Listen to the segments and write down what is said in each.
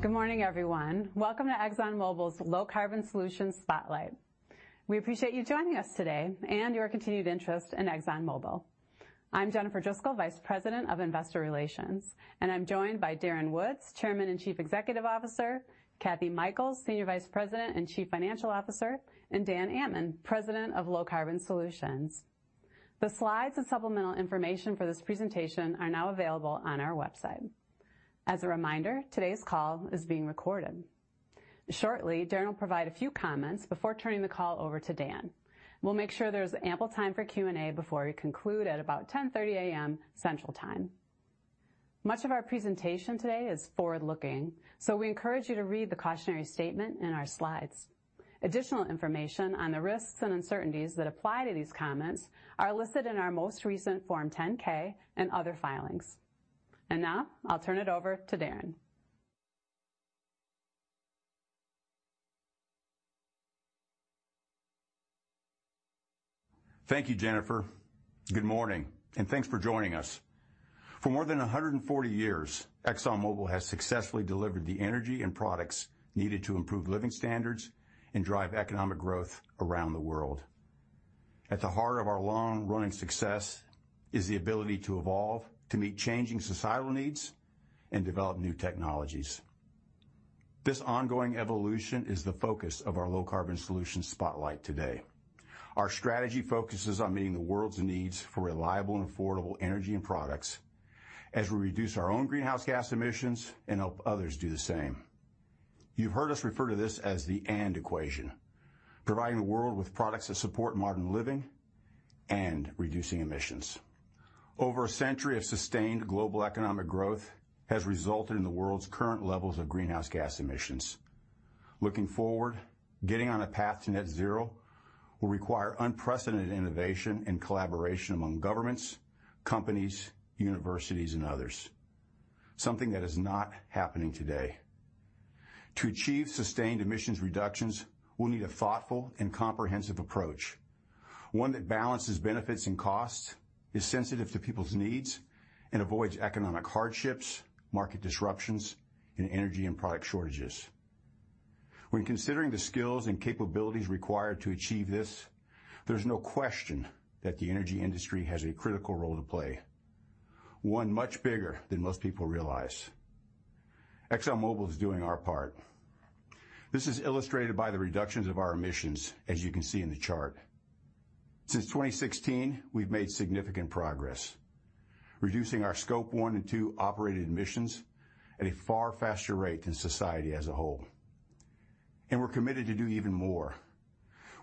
Good morning, everyone. Welcome to ExxonMobil's Low Carbon Solutions Spotlight. We appreciate you joining us today and your continued interest in ExxonMobil. I'm Jennifer Driscoll, Vice President of Investor Relations, and I'm joined by Darren Woods, Chairman and Chief Executive Officer; Kathy Mikells, Senior Vice President and Chief Financial Officer; and Dan Ammann, President of Low Carbon Solutions. The slides and supplemental information for this presentation are now available on our website. As a reminder, today's call is being recorded. Shortly, Darren will provide a few comments before turning the call over to Dan. We'll make sure there's ample time for Q&A before we conclude at about 10:30 A.M. Central Time. Much of our presentation today is forward-looking. We encourage you to read the cautionary statement in our slides. Additional information on the risks and uncertainties that apply to these comments are listed in our most recent Form 10-K and other filings. Now I'll turn it over to Darren. Thank you, Jennifer. Good morning, thanks for joining us. For more than 140 years, ExxonMobil has successfully delivered the energy and products needed to improve living standards and drive economic growth around the world. At the heart of our long-running success is the ability to evolve to meet changing societal needs and develop new technologies. This ongoing evolution is the focus of our Low Carbon Solutions spotlight today. Our strategy focuses on meeting the world's needs for reliable and affordable energy and products as we reduce our own greenhouse gas emissions and help others do the same. You've heard us refer to this as the and equation, providing the world with products that support modern living and reducing emissions. Over a century of sustained global economic growth has resulted in the world's current levels of greenhouse gas emissions. Looking forward, getting on a path to net zero will require unprecedented innovation and collaboration among governments, companies, universities, and others, something that is not happening today. To achieve sustained emissions reductions, we'll need a thoughtful and comprehensive approach, one that balances benefits and costs, is sensitive to people's needs, and avoids economic hardships, market disruptions, and energy and product shortages. When considering the skills and capabilities required to achieve this, there's no question that the energy industry has a critical role to play, one much bigger than most people realize. ExxonMobil is doing our part. This is illustrated by the reductions of our emissions as you can see in the chart. Since 2016, we've made significant progress reducing our Scope 1 and 2 operated emissions at a far faster rate than society as a whole. We're committed to doing even more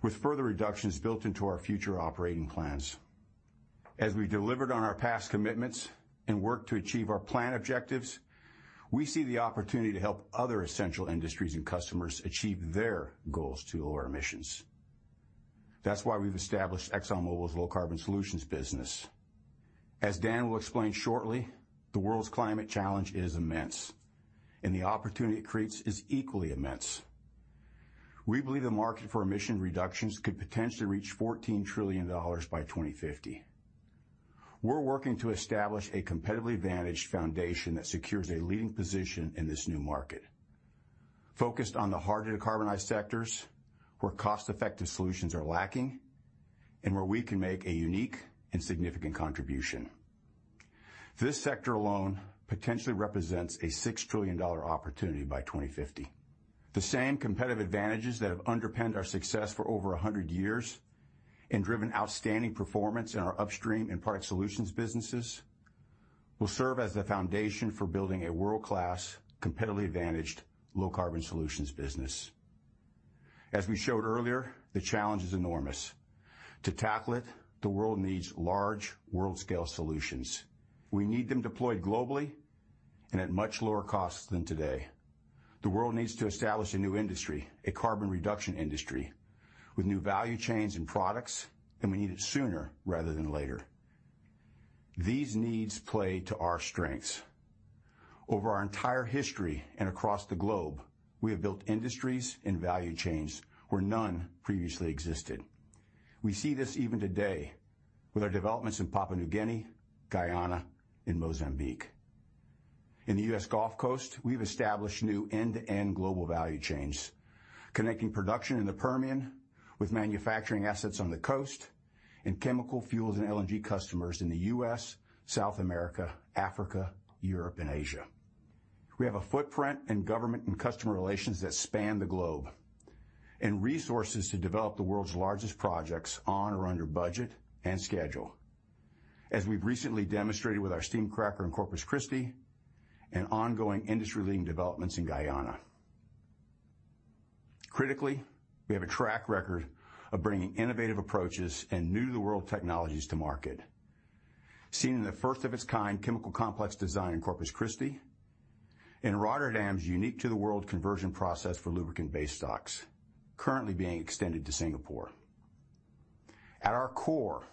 with further reductions built into our future operating plans. As we delivered on our past commitments and work to achieve our plan objectives, we see the opportunity to help other essential industries and customers achieve their goals to lower emissions. That's why we've established ExxonMobil's Low Carbon Solutions business. As Dan will explain shortly, the world's climate challenge is immense and the opportunity it creates is equally immense. We believe the market for emission reductions could potentially reach $14 trillion by 2050. We're working to establish a competitively advantaged foundation that secures a leading position in this new market, focused on the hard to decarbonize sectors, where cost-effective solutions are lacking, and where we can make a unique and significant contribution. This sector alone potentially represents a $6 trillion opportunity by 2050. The same competitive advantages that have underpinned our success for over a hundred years and driven outstanding performance in our upstream and product solutions businesses will serve as the foundation for building a world-class, competitively advantaged Low Carbon Solutions business. As we showed earlier, the challenge is enormous. To tackle it, the world needs large world-scale solutions. We need them deployed globally and at much lower costs than today. The world needs to establish a new industry, a carbon reduction industry, with new value chains and products, and we need it sooner rather than later. These needs play to our strengths. Over our entire history and across the globe, we have built industries and value chains where none previously existed. We see this even today with our developments in Papua New Guinea, Guyana, and Mozambique. In the U.S. Gulf Coast, we've established new end-to-end global value chains, connecting production in the Permian with manufacturing assets on the coast and chemical fuels and LNG customers in the U.S., South America, Africa, Europe, and Asia. We have a footprint in government and customer relations that span the globe and resources to develop the world's largest projects on or under budget and schedule, as we've recently demonstrated with our steam cracker in Corpus Christi and ongoing industry-leading developments in Guyana. Critically, we have a track record of bringing innovative approaches and new to the world technologies to market. Seen in the first of its kind chemical complex design in Corpus Christi. In Rotterdam's unique to the world conversion process for lubricant base stocks currently being extended to Singapore. At our core,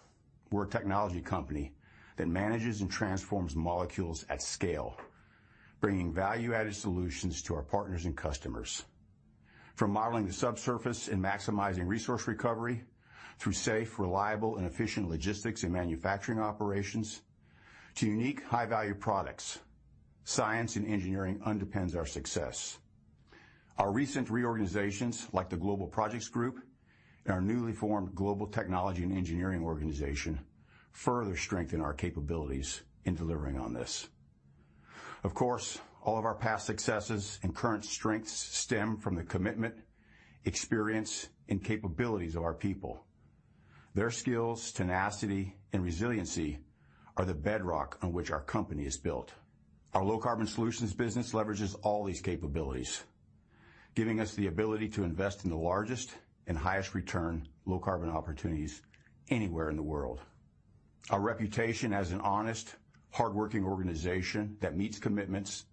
we're a technology company that manages and transforms molecules at scale, bringing value-added solutions to our partners and customers. From modeling the subsurface and maximizing resource recovery through safe, reliable, and efficient logistics and manufacturing operations to unique high-value products, science and engineering underpins our success. Our recent reorganizations, like the Global Projects Company and our newly formed ExxonMobil Technology and Engineering, further strengthen our capabilities in delivering on this. Of course, all of our past successes and current strengths stem from the commitment, experience, and capabilities of our people. Their skills, tenacity, and resiliency are the bedrock on which our company is built. Our Low Carbon Solutions business leverages all these capabilities, giving us the ability to invest in the largest and highest return low carbon opportunities anywhere in the world. Our reputation as an honest, hardworking organization that meets commitments,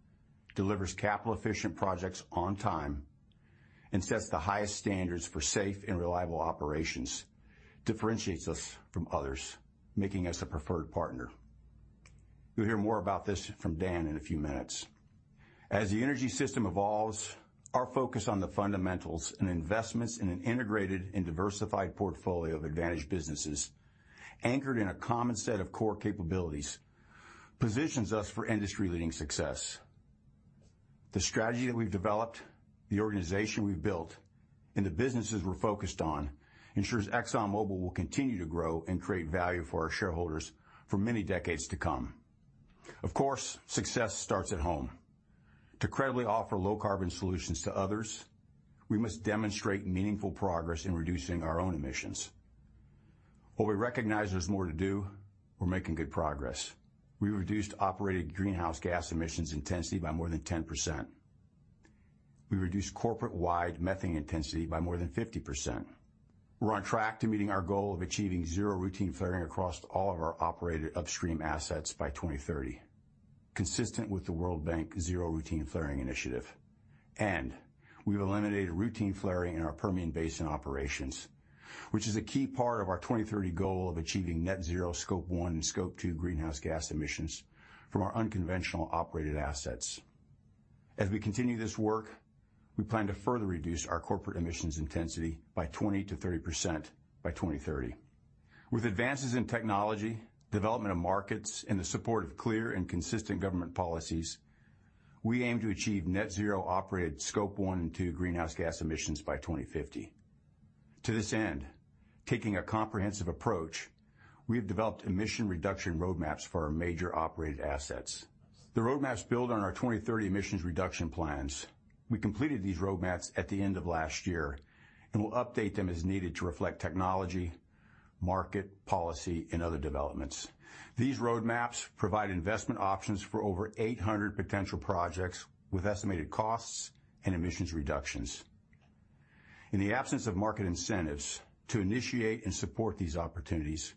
delivers capital-efficient projects on time, and sets the highest standards for safe and reliable operations differentiates us from others, making us a preferred partner. You'll hear more about this from Dan in a few minutes. As the energy system evolves, our focus on the fundamentals and investments in an integrated and diversified portfolio of advantage businesses anchored in a common set of core capabilities positions us for industry-leading success. The strategy that we've developed, the organization we've built, and the businesses we're focused on ensures ExxonMobil will continue to grow and create value for our shareholders for many decades to come. Of course, success starts at home. To credibly offer low carbon solutions to others, we must demonstrate meaningful progress in reducing our own emissions. While we recognize there's more to do, we're making good progress. We reduced operated greenhouse gas emissions intensity by more than 10%. We reduced corporate-wide methane intensity by more than 50%. We're on track to meeting our goal of achieving zero routine flaring across all of our operated upstream assets by 2030, consistent with the World Bank Zero Routine Flaring initiative. We've eliminated routine flaring in our Permian Basin operations, which is a key part of our 2030 goal of achieving net zero Scope 1 and Scope 2 greenhouse gas emissions from our unconventional operated assets. As we continue this work, we plan to further reduce our corporate emissions intensity by 20%-30% by 2030. With advances in technology, development of markets, and the support of clear and consistent government policies, we aim to achieve net zero operated Scope 1 and 2 greenhouse gas emissions by 2050. To this end, taking a comprehensive approach, we have developed emission reduction roadmaps for our major operated assets. The roadmaps build on our 2030 emissions reduction plans. We completed these roadmaps at the end of last year and will update them as needed to reflect technology, market, policy, and other developments. These roadmaps provide investment options for over 800 potential projects with estimated costs and emissions reductions. In the absence of market incentives to initiate and support these opportunities,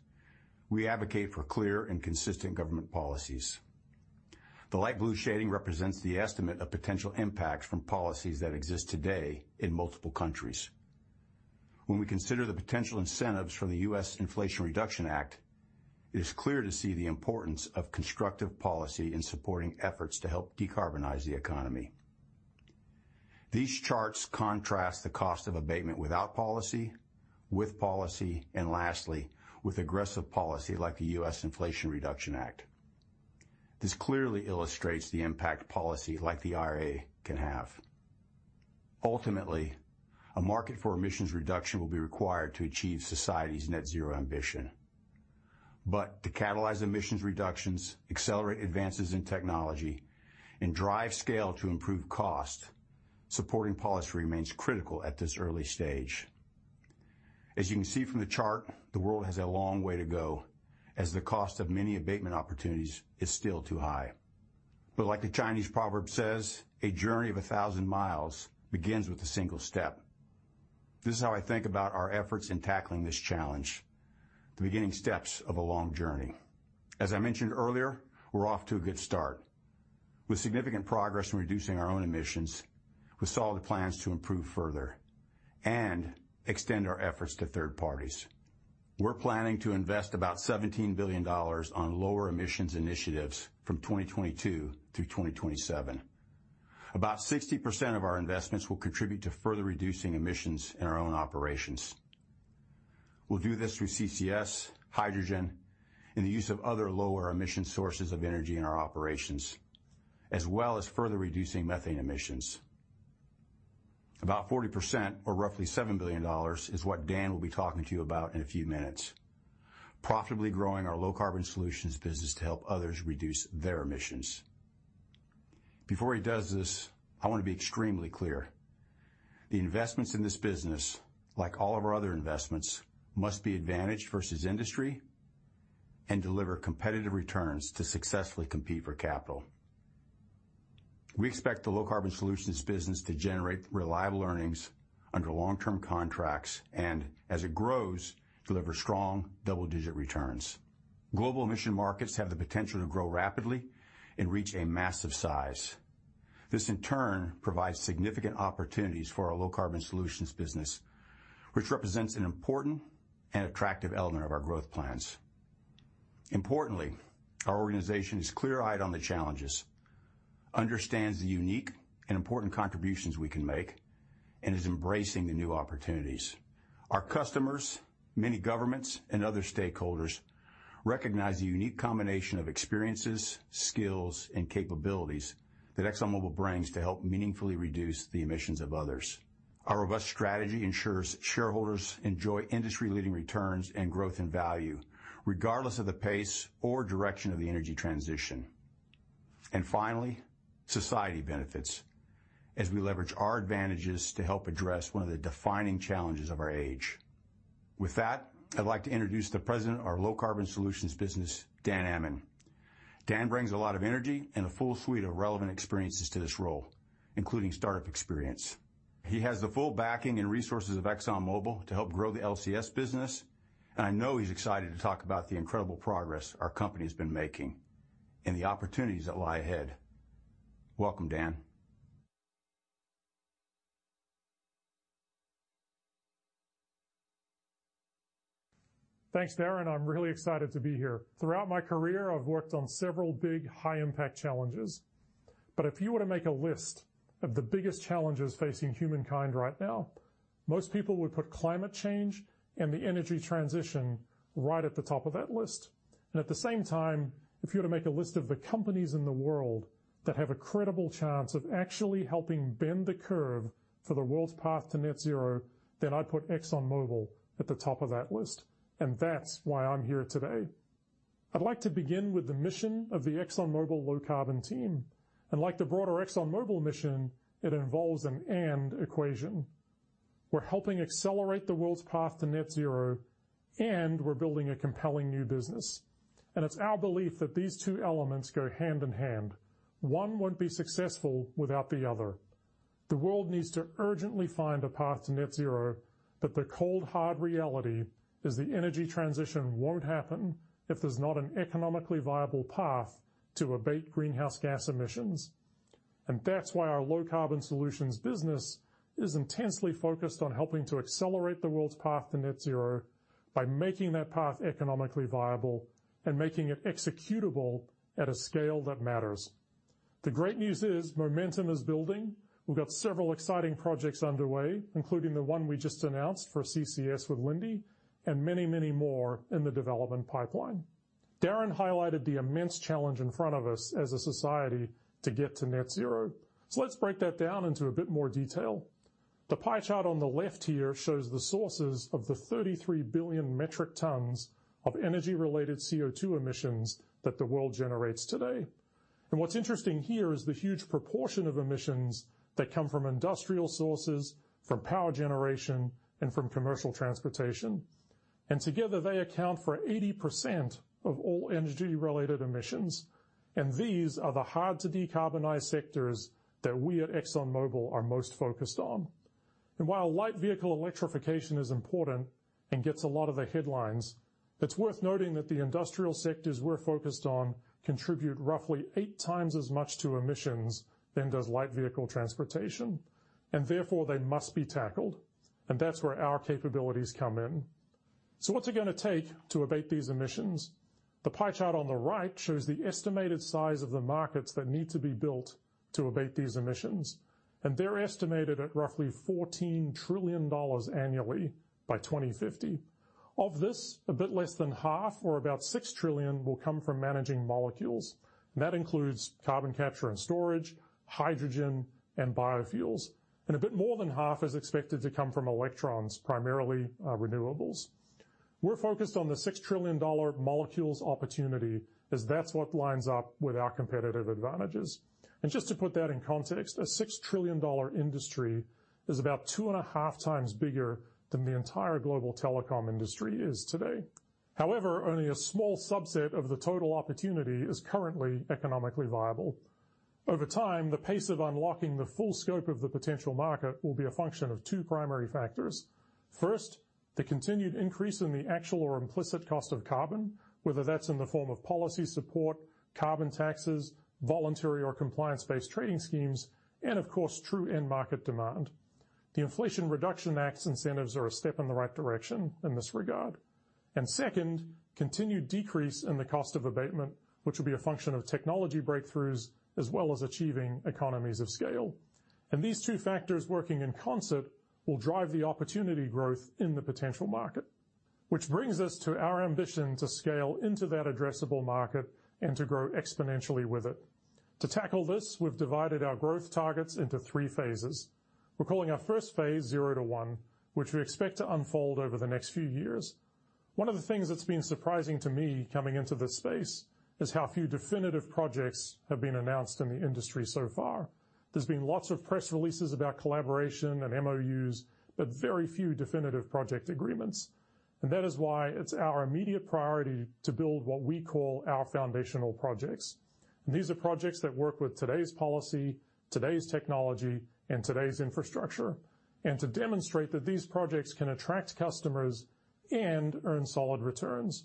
we advocate for clear and consistent government policies. The light blue shading represents the estimate of potential impacts from policies that exist today in multiple countries. When we consider the potential incentives from the U.S. Inflation Reduction Act, it is clear to see the importance of constructive policy in supporting efforts to help decarbonize the economy. These charts contrast the cost of abatement without policy, with policy, and lastly, with aggressive policy like the U.S. Inflation Reduction Act. This clearly illustrates the impact policy like the IRA can have. Ultimately, a market for emissions reduction will be required to achieve society's net zero ambition. To catalyze emissions reductions, accelerate advances in technology, and drive scale to improve cost, supporting policy remains critical at this early stage. As you can see from the chart, the world has a long way to go as the cost of many abatement opportunities is still too high. Like the Chinese proverb says, "A journey of 1,000 miles begins with a single step." This is how I think about our efforts in tackling this challenge, the beginning steps of a long journey. As I mentioned earlier, we're off to a good start. With significant progress in reducing our own emissions, with solid plans to improve further and extend our efforts to third parties. We're planning to invest about $17 billion on lower emissions initiatives from 2022 through 2027. About 60% of our investments will contribute to further reducing emissions in our own operations. We'll do this through CCS, hydrogen, and the use of other lower emission sources of energy in our operations, as well as further reducing methane emissions. About 40% or roughly $7 billion is what Dan will be talking to you about in a few minutes, profitably growing our Low Carbon Solutions business to help others reduce their emissions. Before he does this, I wanna be extremely clear. The investments in this business, like all of our other investments, must be advantaged versus industry and deliver competitive returns to successfully compete for capital. We expect the Low Carbon Solutions business to generate reliable earnings under long-term contracts. As it grows, deliver strong double-digit returns. Global emission markets have the potential to grow rapidly and reach a massive size. This, in turn, provides significant opportunities for our Low Carbon Solutions business, which represents an important and attractive element of our growth plans. Importantly, our organization is clear-eyed on the challenges, understands the unique and important contributions we can make, and is embracing the new opportunities. Our customers, many governments, and other stakeholders recognize the unique combination of experiences, skills, and capabilities that ExxonMobil brings to help meaningfully reduce the emissions of others. Our robust strategy ensures shareholders enjoy industry-leading returns and growth in value, regardless of the pace or direction of the energy transition. Finally, society benefits as we leverage our advantages to help address one of the defining challenges of our age. With that, I'd like to introduce the President of our Low Carbon Solutions business, Dan Ammann. Dan brings a lot of energy and a full suite of relevant experiences to this role, including startup experience. He has the full backing and resources of ExxonMobil to help grow the LCS business, and I know he's excited to talk about the incredible progress our company's been making and the opportunities that lie ahead. Welcome, Dan. Thanks, Darren. I'm really excited to be here. Throughout my career, I've worked on several big, high-impact challenges, but if you were to make a list of the biggest challenges facing humankind right now, most people would put climate change and the energy transition right at the top of that list. At the same time, if you were to make a list of the companies in the world that have a credible chance of actually helping bend the curve for the world's path to net zero, then I'd put ExxonMobil at the top of that list, and that's why I'm here today. I'd like to begin with the mission of the ExxonMobil Low Carbon team. Like the broader ExxonMobil mission, it involves an and equation. We're helping accelerate the world's path to net zero, and we're building a compelling new business. It's our belief that these two elements go hand in hand. One won't be successful without the other. The world needs to urgently find a path to net zero, but the cold, hard reality is the energy transition won't happen if there's not an economically viable path to abate greenhouse gas emissions. That's why our Low Carbon Solutions business is intensely focused on helping to accelerate the world's path to net zero by making that path economically viable and making it executable at a scale that matters. The great news is momentum is building. We've got several exciting projects underway, including the one we just announced for CCS with Linde and many, many more in the development pipeline. Darren highlighted the immense challenge in front of us as a society to get to net zero. Let's break that down into a bit more detail. The pie chart on the left here shows the sources of the 33 billion metric tons of energy-related CO2 emissions that the world generates today. What's interesting here is the huge proportion of emissions that come from industrial sources, from power generation, and from commercial transportation. Together, they account for 80% of all energy-related emissions, and these are the hard-to-decarbonize sectors that we at ExxonMobil are most focused on. While light vehicle electrification is important and gets a lot of the headlines, it's worth noting that the industrial sectors we're focused on contribute roughly 8x as much to emissions than does light vehicle transportation, and therefore they must be tackled, and that's where our capabilities come in. What's it gonna take to abate these emissions? The pie chart on the right shows the estimated size of the markets that need to be built to abate these emissions, they're estimated at roughly $14 trillion annually by 2050. Of this, a bit less than half or about $6 trillion will come from managing molecules. That includes carbon capture and storage, hydrogen, and biofuels. A bit more than half is expected to come from electrons, primarily, renewables. We're focused on the $6 trillion molecules opportunity as that's what lines up with our competitive advantages. Just to put that in context, a $6 trillion industry is about 2.5x bigger than the entire global telecom industry is today. However, only a small subset of the total opportunity is currently economically viable. Over time, the pace of unlocking the full scope of the potential market will be a function of two primary factors. First, the continued increase in the actual or implicit cost of carbon, whether that's in the form of policy support, carbon taxes, voluntary or compliance-based trading schemes, and of course, true end market demand. The Inflation Reduction Act incentives are a step in the right direction in this regard. Second, continued decrease in the cost of abatement, which will be a function of technology breakthroughs, as well as achieving economies of scale. These two factors working in concert will drive the opportunity growth in the potential market, which brings us to our ambition to scale into that addressable market and to grow exponentially with it. To tackle this, we've divided our growth targets into three phases. We're calling our first phase zero to one, which we expect to unfold over the next few years. One of the things that's been surprising to me coming into this space is how few definitive projects have been announced in the industry so far. There's been lots of press releases about collaboration and MOUs, but very few definitive project agreements. That is why it's our immediate priority to build what we call our foundational projects. These are projects that work with today's policy, today's technology, and today's infrastructure, and to demonstrate that these projects can attract customers and earn solid returns.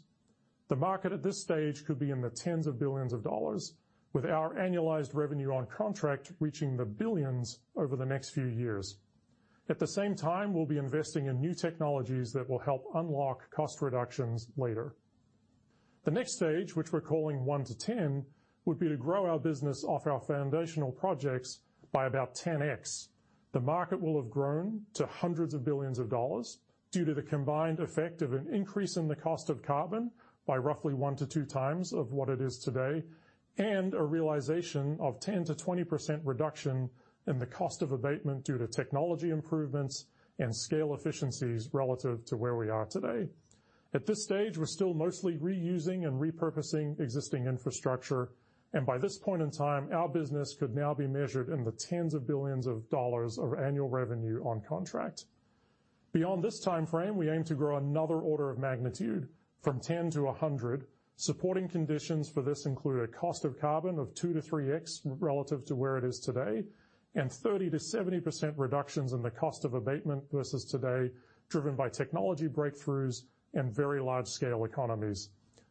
The market at this stage could be in the tens of billions of dollars, with our annualized revenue on contract reaching the billions over the next few years. At the same time, we'll be investing in new technologies that will help unlock cost reductions later. The next stage, which we're calling one to 10, would be to grow our business off our foundational projects by about 10x. The market will have grown to hundreds of billions of dollars due to the combined effect of an increase in the cost of carbon by roughly 1x-2x of what it is today, and a realization of 10%-20% reduction in the cost of abatement due to technology improvements and scale efficiencies relative to where we are today. At this stage, we're still mostly reusing and repurposing existing infrastructure, and by this point in time, our business could now be measured in the tens of billions of dollars of annual revenue on contract. Beyond this time frame, we aim to grow another order of magnitude from 10 to 100. Supporting conditions for this include a cost of carbon of 2x-3x relative to where it is today, and 30%-70% reductions in the cost of abatement versus today, driven by technology breakthroughs and very large-scale economies.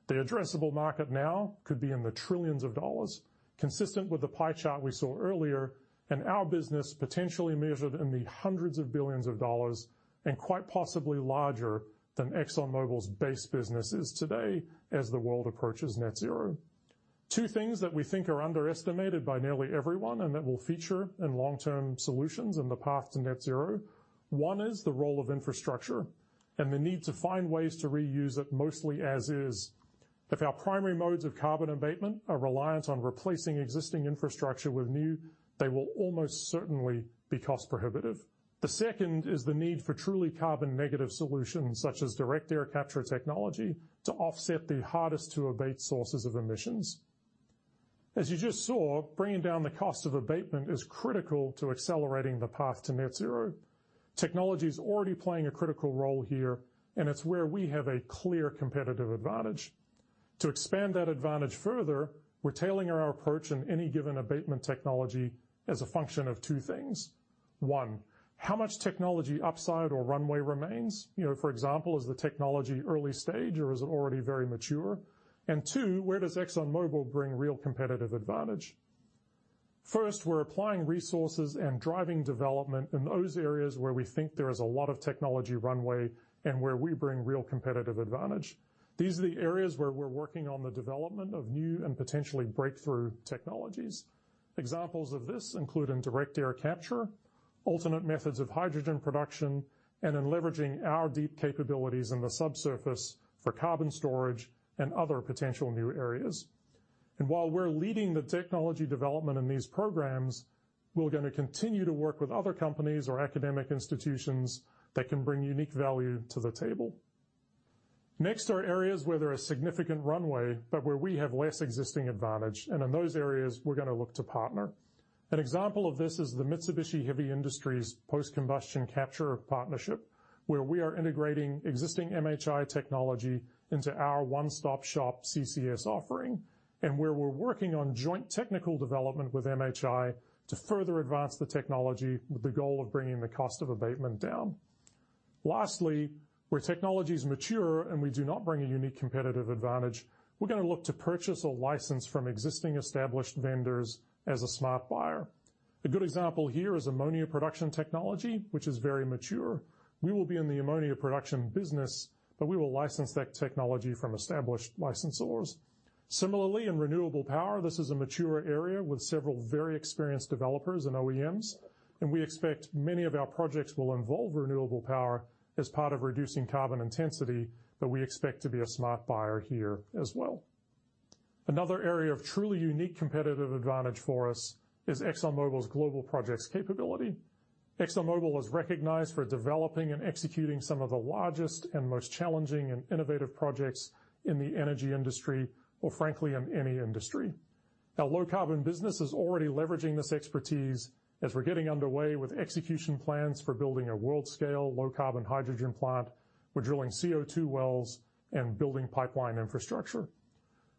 The addressable market now could be in the trillions of dollars, consistent with the pie chart we saw earlier and our business potentially measured in the hundred billions of dollars and quite possibly larger than ExxonMobil's base business is today as the world approaches net zero. Two things that we think are underestimated by nearly everyone and that will feature in long-term solutions in the path to net zero. One is the role of infrastructure and the need to find ways to reuse it, mostly as is. If our primary modes of carbon abatement are reliant on replacing existing infrastructure with new, they will almost certainly be cost prohibitive. The second is the need for truly carbon negative solutions, such as direct air capture technology, to offset the hardest to abate sources of emissions. As you just saw, bringing down the cost of abatement is critical to accelerating the path to net zero. Technology is already playing a critical role here, and it's where we have a clear competitive advantage. To expand that advantage further, we're tailoring our approach in any given abatement technology as a function of two things. One, how much technology upside or runway remains? You know, for example, is the technology early stage or is it already very mature? Two, where does ExxonMobil bring real competitive advantage? First, we're applying resources and driving development in those areas where we think there is a lot of technology runway and where we bring real competitive advantage. These are the areas where we're working on the development of new and potentially breakthrough technologies. Examples of this include in direct air capture, ultimate methods of hydrogen production, and in leveraging our deep capabilities in the subsurface for carbon storage and other potential new areas. While we're leading the technology development in these programs, we're gonna continue to work with other companies or academic institutions that can bring unique value to the table. Next are areas where there is significant runway, but where we have less existing advantage, and in those areas, we're gonna look to partner. An example of this is the Mitsubishi Heavy Industries post-combustion capture partnership, where we are integrating existing MHI technology into our one-stop-shop CCS offering and where we're working on joint technical development with MHI to further advance the technology with the goal of bringing the cost of abatement down. Lastly, where technology is mature and we do not bring a unique competitive advantage, we're gonna look to purchase a license from existing established vendors as a smart buyer. A good example here is ammonia production technology, which is very mature. We will be in the ammonia production business, but we will license that technology from established licensors. Similarly, in renewable power, this is a mature area with several very experienced developers and OEMs. We expect many of our projects will involve renewable power as part of reducing carbon intensity. We expect to be a smart buyer here as well. Another area of truly unique competitive advantage for us is ExxonMobil's global projects capability. ExxonMobil is recognized for developing and executing some of the largest and most challenging and innovative projects in the energy industry or frankly, in any industry. Our low carbon business is already leveraging this expertise as we're getting underway with execution plans for building a world-scale low carbon hydrogen plant. We're drilling CO₂ wells and building pipeline infrastructure.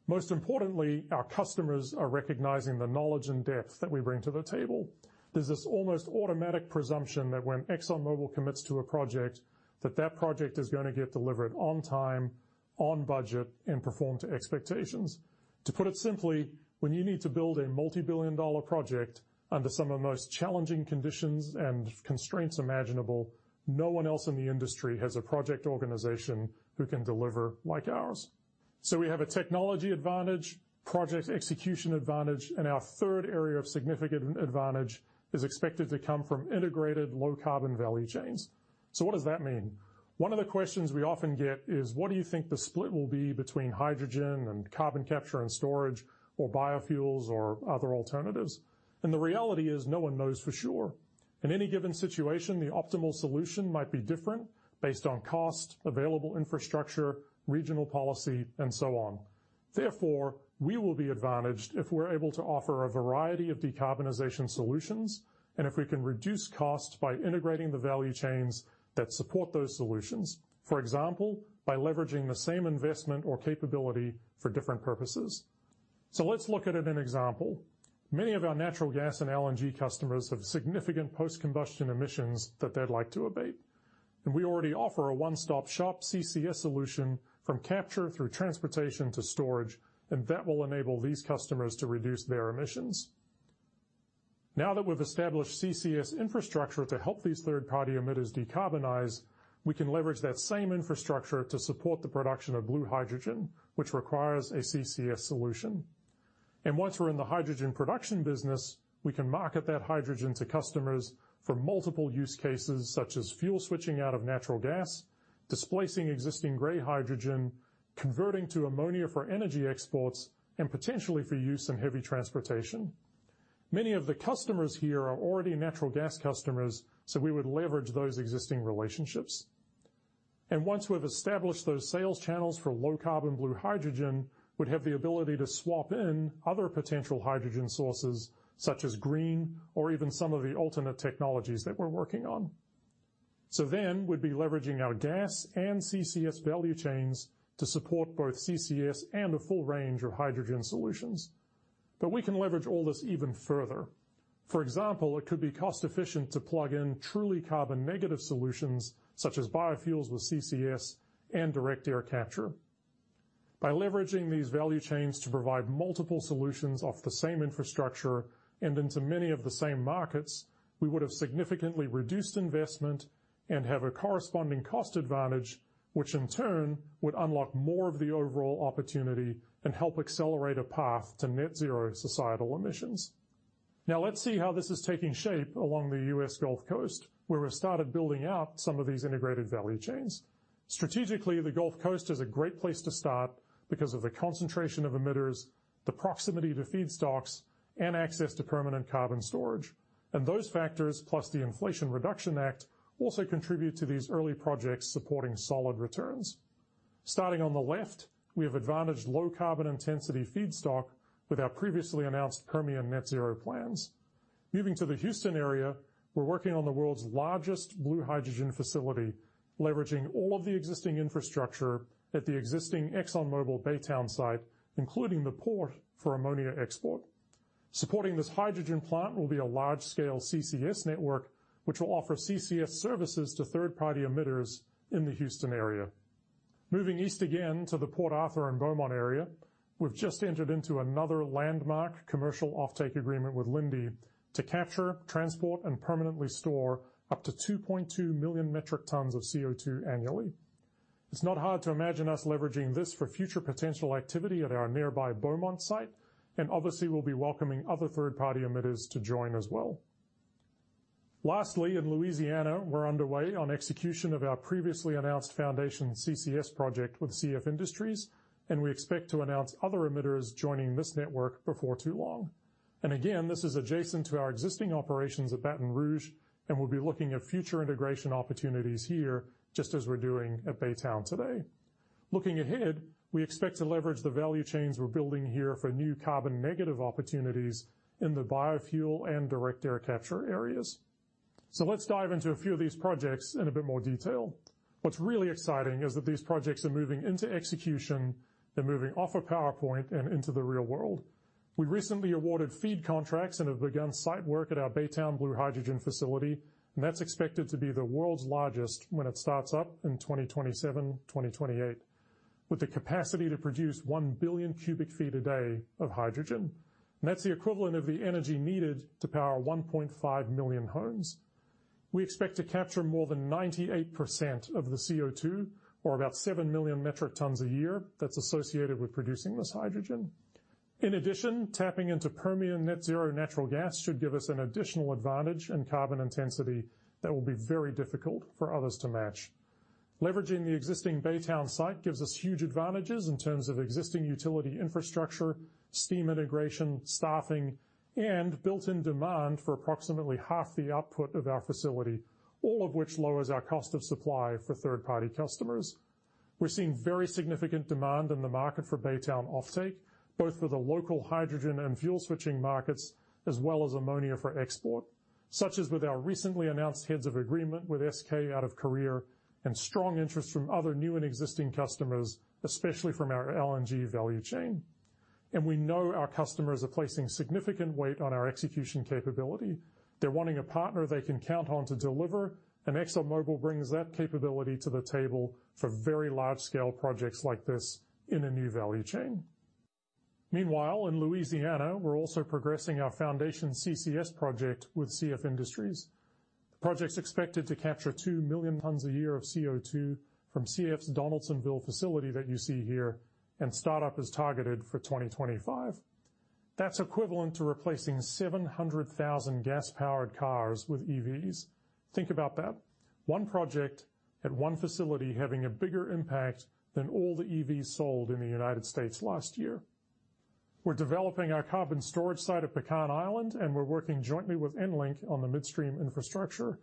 Most importantly, our customers are recognizing the knowledge and depth that we bring to the table. There's this almost automatic presumption that when ExxonMobil commits to a project, that that project is gonna get delivered on time, on budget, and perform to expectations. To put it simply, when you need to build a multibillion-dollar project under some of the most challenging conditions and constraints imaginable, no one else in the industry has a project organization who can deliver like ours. We have a technology advantage, project execution advantage, and our third area of significant advantage is expected to come from integrated low carbon value chains. What does that mean? One of the questions we often get is, what do you think the split will be between hydrogen and carbon capture and storage or biofuels or other alternatives? The reality is no one knows for sure. In any given situation, the optimal solution might be different based on cost, available infrastructure, regional policy, and so on. Therefore, we will be advantaged if we're able to offer a variety of decarbonization solutions and if we can reduce costs by integrating the value chains that support those solutions, for example, by leveraging the same investment or capability for different purposes. Let's look at an example. Many of our natural gas and LNG customers have significant post-combustion emissions that they'd like to abate. We already offer a one-stop shop CCS solution from capture through transportation to storage, and that will enable these customers to reduce their emissions. Now that we've established CCS infrastructure to help these third-party emitters decarbonize, we can leverage that same infrastructure to support the production of blue hydrogen, which requires a CCS solution. Once we're in the hydrogen production business, we can market that hydrogen to customers for multiple use cases, such as fuel switching out of natural gas, displacing existing gray hydrogen, converting to ammonia for energy exports, and potentially for use in heavy transportation. Many of the customers here are already natural gas customers, so we would leverage those existing relationships. Once we've established those sales channels for low-carbon blue hydrogen, we'd have the ability to swap in other potential hydrogen sources such as green or even some of the alternate technologies that we're working on. We'd be leveraging our gas and CCS value chains to support both CCS and a full range of hydrogen solutions. We can leverage all this even further. For example, it could be cost-efficient to plug in truly carbon negative solutions such as biofuels with CCS and direct air capture. By leveraging these value chains to provide multiple solutions off the same infrastructure and into many of the same markets, we would have significantly reduced investment and have a corresponding cost advantage, which in turn would unlock more of the overall opportunity and help accelerate a path to net zero societal emissions. Let's see how this is taking shape along the U.S. Gulf Coast, where we've started building out some of these integrated value chains. Strategically, the Gulf Coast is a great place to start because of the concentration of emitters, the proximity to feedstocks, and access to permanent carbon storage. Those factors, plus the Inflation Reduction Act, also contribute to these early projects supporting solid returns. Starting on the left, we have advantaged low carbon intensity feedstock with our previously announced Permian net zero plans. Moving to the Houston area, we're working on the world's largest blue hydrogen facility, leveraging all of the existing infrastructure at the existing ExxonMobil Baytown site, including the port for ammonia export. Supporting this hydrogen plant will be a large-scale CCS network, which will offer CCS services to third-party emitters in the Houston area. Moving east again to the Port Arthur and Beaumont area, we've just entered into another landmark commercial offtake agreement with Linde to capture, transport, and permanently store up to 2.2 million metric tons of CO2 annually. It's not hard to imagine us leveraging this for future potential activity at our nearby Beaumont site. Obviously, we'll be welcoming other third-party emitters to join as well. Lastly, in Louisiana, we're underway on execution of our previously announced foundation CCS project with CF Industries. We expect to announce other emitters joining this network before too long. Again, this is adjacent to our existing operations at Baton Rouge, and we'll be looking at future integration opportunities here, just as we're doing at Baytown today. Looking ahead, we expect to leverage the value chains we're building here for new carbon negative opportunities in the biofuel and direct air capture areas. Let's dive into a few of these projects in a bit more detail. What's really exciting is that these projects are moving into execution. They're moving off of PowerPoint and into the real world. We recently awarded FEED contracts and have begun site work at our Baytown blue hydrogen facility, that's expected to be the world's largest when it starts up in 2027, 2028, with the capacity to produce 1 billion cubic feet a day of hydrogen. That's the equivalent of the energy needed to power 1.5 million homes. We expect to capture more than 98% of the CO₂, or about 7 million metric tons a year that's associated with producing this hydrogen. In addition, tapping into Permian net zero natural gas should give us an additional advantage in carbon intensity that will be very difficult for others to match. Leveraging the existing Baytown site gives us huge advantages in terms of existing utility infrastructure, steam integration, staffing, and built-in demand for approximately half the output of our facility, all of which lowers our cost of supply for third-party customers. We're seeing very significant demand in the market for Baytown offtake, both for the local hydrogen and fuel switching markets, as well as ammonia for export, such as with our recently announced heads of agreement with SK out of Korea and strong interest from other new and existing customers, especially from our LNG value chain. We know our customers are placing significant weight on our execution capability. They're wanting a partner they can count on to deliver, and ExxonMobil brings that capability to the table for very large-scale projects like this in a new value chain. Meanwhile, in Louisiana, we're also progressing our foundation CCS project with CF Industries. The project's expected to capture 2 million tons a year of CO₂ from CF's Donaldsonville facility that you see here. Startup is targeted for 2025. That's equivalent to replacing 700,000 gas-powered cars with EVs. Think about that. One project at one facility having a bigger impact than all the EVs sold in the United States last year. We're developing our carbon storage site at Pecan Island. We're working jointly with Enlink on the midstream infrastructure.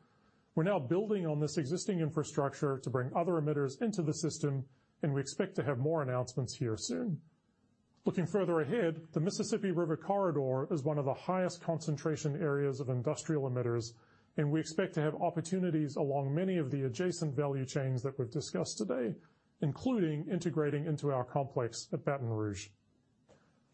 We're now building on this existing infrastructure to bring other emitters into the system. We expect to have more announcements here soon. Looking further ahead, the Mississippi River Corridor is one of the highest concentration areas of industrial emitters, and we expect to have opportunities along many of the adjacent value chains that we've discussed today, including integrating into our complex at Baton Rouge.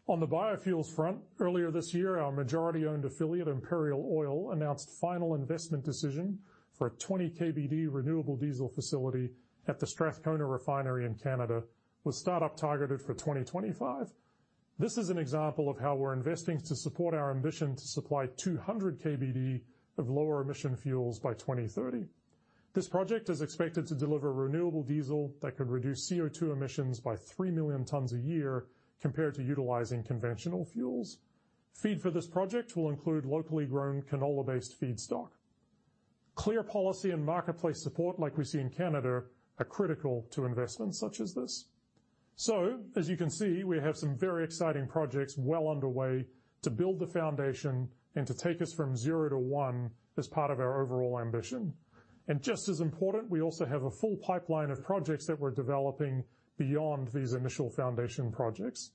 On the biofuels front, earlier this year, our majority-owned affiliate, Imperial Oil, announced final investment decision for a 20 kbd renewable diesel facility at the Strathcona Refinery in Canada, with startup targeted for 2025. This is an example of how we're investing to support our ambition to supply 200 kbd of lower emission fuels by 2030. This project is expected to deliver renewable diesel that could reduce CO₂ emissions by 3 million tons a year compared to utilizing conventional fuels. Feed for this project will include locally grown canola-based feedstock. Clear policy and marketplace support like we see in Canada are critical to investments such as this. As you can see, we have some very exciting projects well underway to build the foundation and to take us from zero to one as part of our overall ambition. Just as important, we also have a full pipeline of projects that we're developing beyond these initial foundation projects.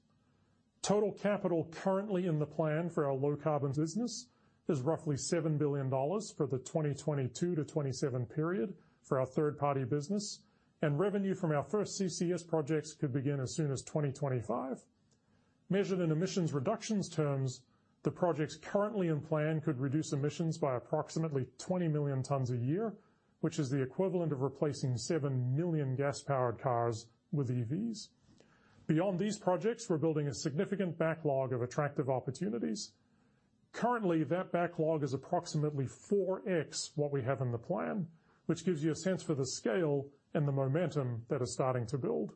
Total capital currently in the plan for our low carbon business is roughly $7 billion for the 2022-2027 period for our third-party business, and revenue from our first CCS projects could begin as soon as 2025. Measured in emissions reductions terms, the projects currently in plan could reduce emissions by approximately 20 million tons a year, which is the equivalent of replacing 7 million gas-powered cars with EVs. Beyond these projects, we're building a significant backlog of attractive opportunities. Currently, that backlog is approximately 4x what we have in the plan, which gives you a sense for the scale and the momentum that is starting to build.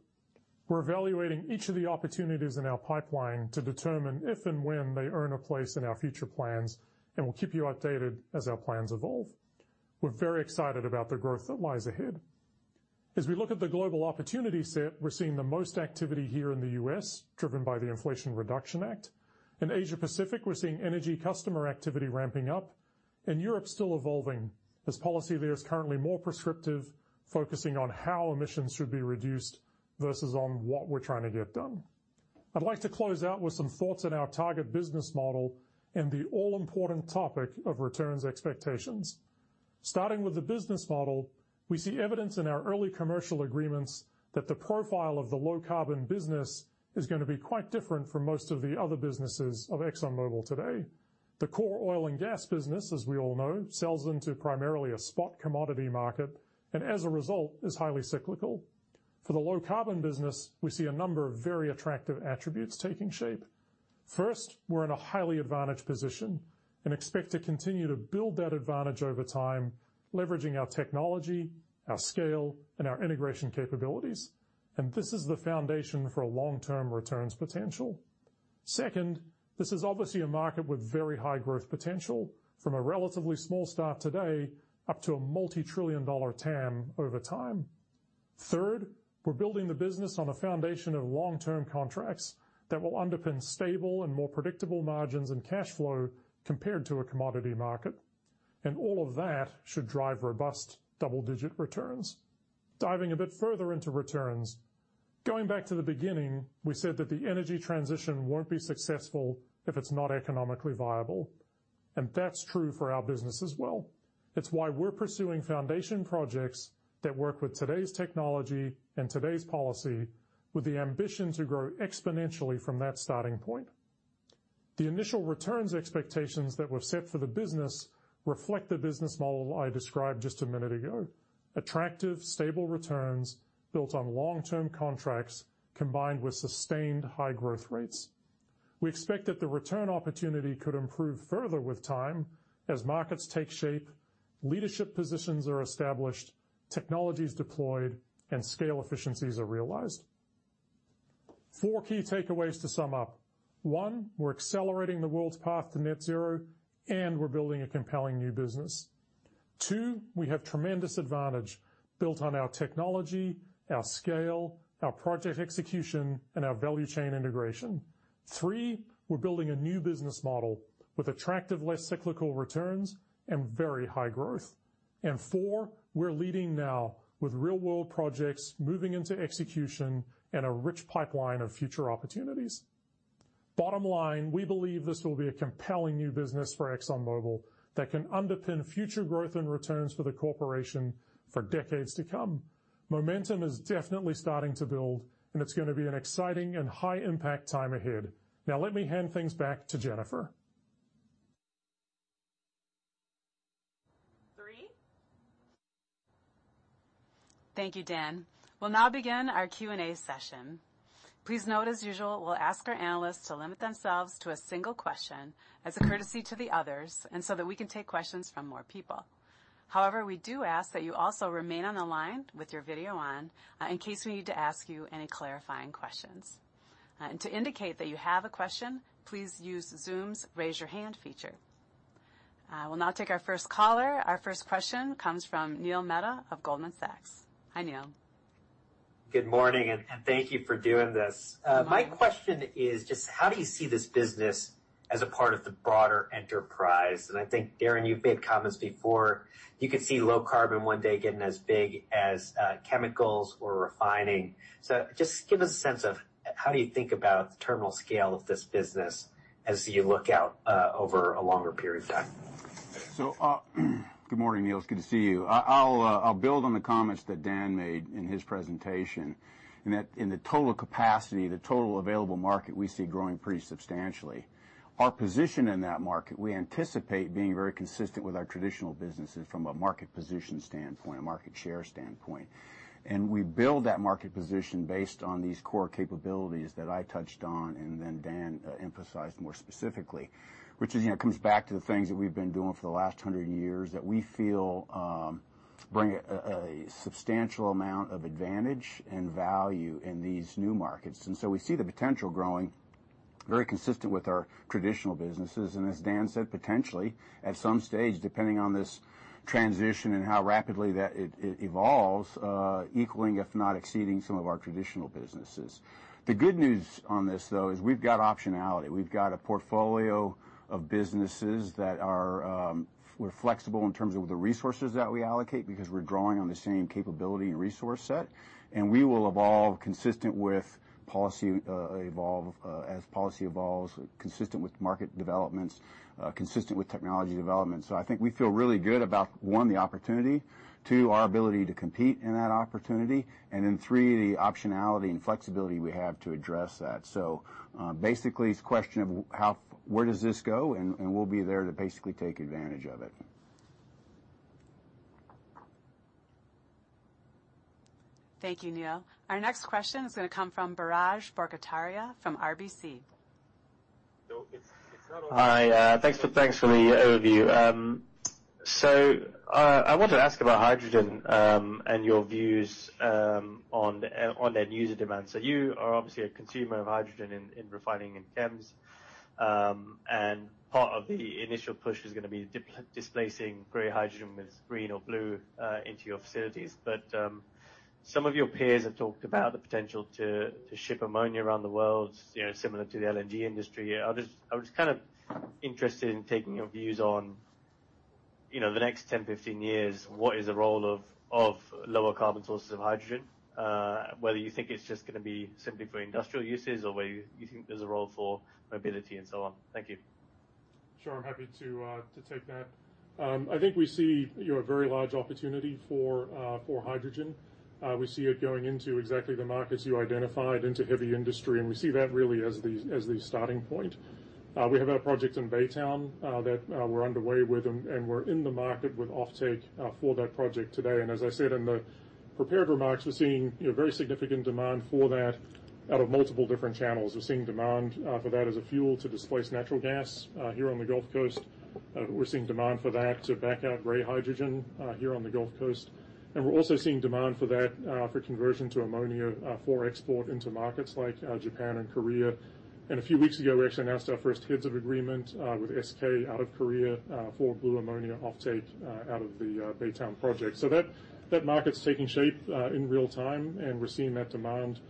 We're evaluating each of the opportunities in our pipeline to determine if and when they earn a place in our future plans, and we'll keep you updated as our plans evolve. We're very excited about the growth that lies ahead. As we look at the global opportunity set, we're seeing the most activity here in the U.S., driven by the Inflation Reduction Act. In Asia Pacific, we're seeing energy customer activity ramping up. In Europe, still evolving, as policy there is currently more prescriptive, focusing on how emissions should be reduced versus on what we're trying to get done. I'd like to close out with some thoughts on our target business model and the all-important topic of returns expectations. Starting with the business model, we see evidence in our early commercial agreements that the profile of the low-carbon business is gonna be quite different from most of the other businesses of ExxonMobil today. The core oil and gas business, as we all know, sells into primarily a spot commodity market, and as a result, is highly cyclical. For the low-carbon business, we see a number of very attractive attributes taking shape. First, we're in a highly advantaged position and expect to continue to build that advantage over time, leveraging our technology, our scale, and our integration capabilities. This is the foundation for a long-term returns potential. Second, this is obviously a market with very high growth potential from a relatively small start today up to a multi-trillion-dollar TAM over time. Third, we're building the business on a foundation of long-term contracts that will underpin stable and more predictable margins and cash flow compared to a commodity market. All of that should drive robust double-digit returns. Diving a bit further into returns, going back to the beginning, we said that the energy transition won't be successful if it's not economically viable, and that's true for our business as well. It's why we're pursuing foundation projects that work with today's technology and today's policy with the ambition to grow exponentially from that starting point. The initial returns expectations that were set for the business reflect the business model I described just a minute ago. Attractive, stable returns built on long-term contracts combined with sustained high growth rates. We expect that the return opportunity could improve further with time as markets take shape, leadership positions are established, technologies deployed, and scale efficiencies are realized. Four key takeaways to sum up. One, we're accelerating the world's path to net zero, and we're building a compelling new business. Two, we have tremendous advantage built on our technology, our scale, our project execution, and our value chain integration. Three, we're building a new business model with attractive, less cyclical returns and very high growth. Four, we're leading now with real-world projects moving into execution and a rich pipeline of future opportunities. Bottom line, we believe this will be a compelling new business for ExxonMobil that can underpin future growth and returns for the corporation for decades to come. Momentum is definitely starting to build, and it's gonna be an exciting and high-impact time ahead. Now let me hand things back to Jennifer. Three. Thank you, Dan. We'll now begin our Q&A session. Please note as usual, we'll ask our analysts to limit themselves to a single question as a courtesy to the others and so that we can take questions from more people. However, we do ask that you also remain on the line with your video on, in case we need to ask you any clarifying questions. To indicate that you have a question, please use Zoom's Raise Your Hand feature. We'll now take our first caller. Our first question comes from Neil Mehta of Goldman Sachs. Hi, Neil. Good morning, and thank you for doing this. My question is just how do you see this business as a part of the broader enterprise? I think, Darren, you've made comments before. You could see low carbon one day getting as big as chemicals or refining. Just give us a sense of how do you think about the terminal scale of this business as you look out over a longer period of time. Good morning, Neil. It's good to see you. I'll build on the comments that Dan made in his presentation in that in the total capacity, the total available market, we see growing pretty substantially. Our position in that market, we anticipate being very consistent with our traditional businesses from a market position standpoint, a market share standpoint. We build that market position based on these core capabilities that I touched on and then Dan emphasized more specifically, which, as, you know, comes back to the things that we've been doing for the last 100 years that we feel bring a substantial amount of advantage and value in these new markets. We see the potential growing very consistent with our traditional businesses. As Dan said, potentially at some stage, depending on this transition and how rapidly that it evolves, equaling if not exceeding some of our traditional businesses. The good news on this, though, is we've got optionality. We've got a portfolio of businesses that are, we're flexible in terms of the resources that we allocate, because we're drawing on the same capability and resource set, and we will evolve consistent with policy, evolve as policy evolves, consistent with market developments, consistent with technology development. I think we feel really good about, one, the opportunity, two, our ability to compete in that opportunity, and then three, the optionality and flexibility we have to address that. Basically it's a question of how, where does this go, and we'll be there to basically take advantage of it. Thank you, Neil. Our next question is gonna come from Biraj Borkhataria from RBC. Hi. Thanks for the overview. I wanted to ask about hydrogen and your views on end user demand. You are obviously a consumer of hydrogen in refining and chems. And part of the initial push is gonna be displacing gray hydrogen with green or blue into your facilities. Some of your peers have talked about the potential to ship ammonia around the world, you know, similar to the LNG industry. I'm just kind of interested in taking your views on, you know, the next 10-15 years, what is the role of lower carbon sources of hydrogen, whether you think it's just gonna be simply for industrial uses or whether you think there's a role for mobility and so on. Thank you. Sure. I'm happy to take that. I think we see, you know, a very large opportunity for hydrogen. We see it going into exactly the markets you identified, into heavy industry, and we see that really as the starting point. We have our project in Baytown that we're underway with and we're in the market with offtake for that project today. As I said in the prepared remarks, we're seeing, you know, very significant demand for that out of multiple different channels. We're seeing demand for that as a fuel to displace natural gas here on the Gulf Coast. We're seeing demand for that to back out gray hydrogen here on the Gulf Coast. We're also seeing demand for that, for conversion to ammonia, for export into markets like Japan and Korea. A few weeks ago, we actually announced our first heads of agreement with SK out of Korea, for blue ammonia offtake out of the Baytown project. That, that market's taking shape in real time, and we're seeing that demand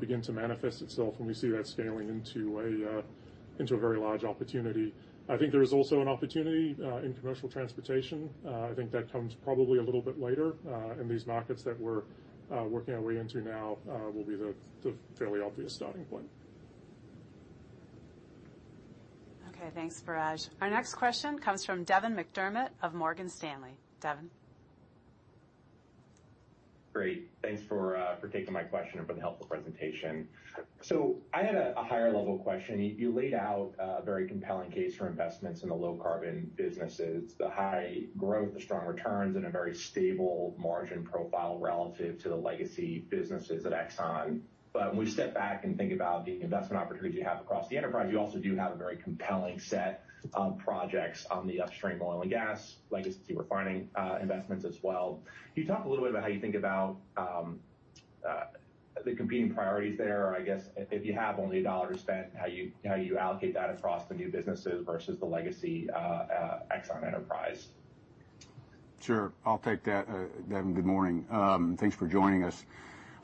begin to manifest itself, and we see that scaling into a very large opportunity. I think there is also an opportunity in commercial transportation. I think that comes probably a little bit later, and these markets that we're working our way into now will be the fairly obvious starting point. Okay. Thanks, Biraj. Our next question comes from Devin McDermott of Morgan Stanley. Devin? Great. Thanks for taking my question and for the helpful presentation. I had a higher level question. You laid out a very compelling case for investments in the low carbon businesses, the high growth, the strong returns, and a very stable margin profile relative to the legacy businesses at Exxon. When we step back and think about the investment opportunities you have across the enterprise, you also do have a very compelling set of projects on the upstream oil and gas, legacy refining, investments as well. Can you talk a little bit about how you think about the competing priorities there? Or I guess if you have only $1 to spend, how you allocate that across the new businesses versus the legacy Exxon enterprise? Sure. I'll take that. Devin, good morning. Thanks for joining us.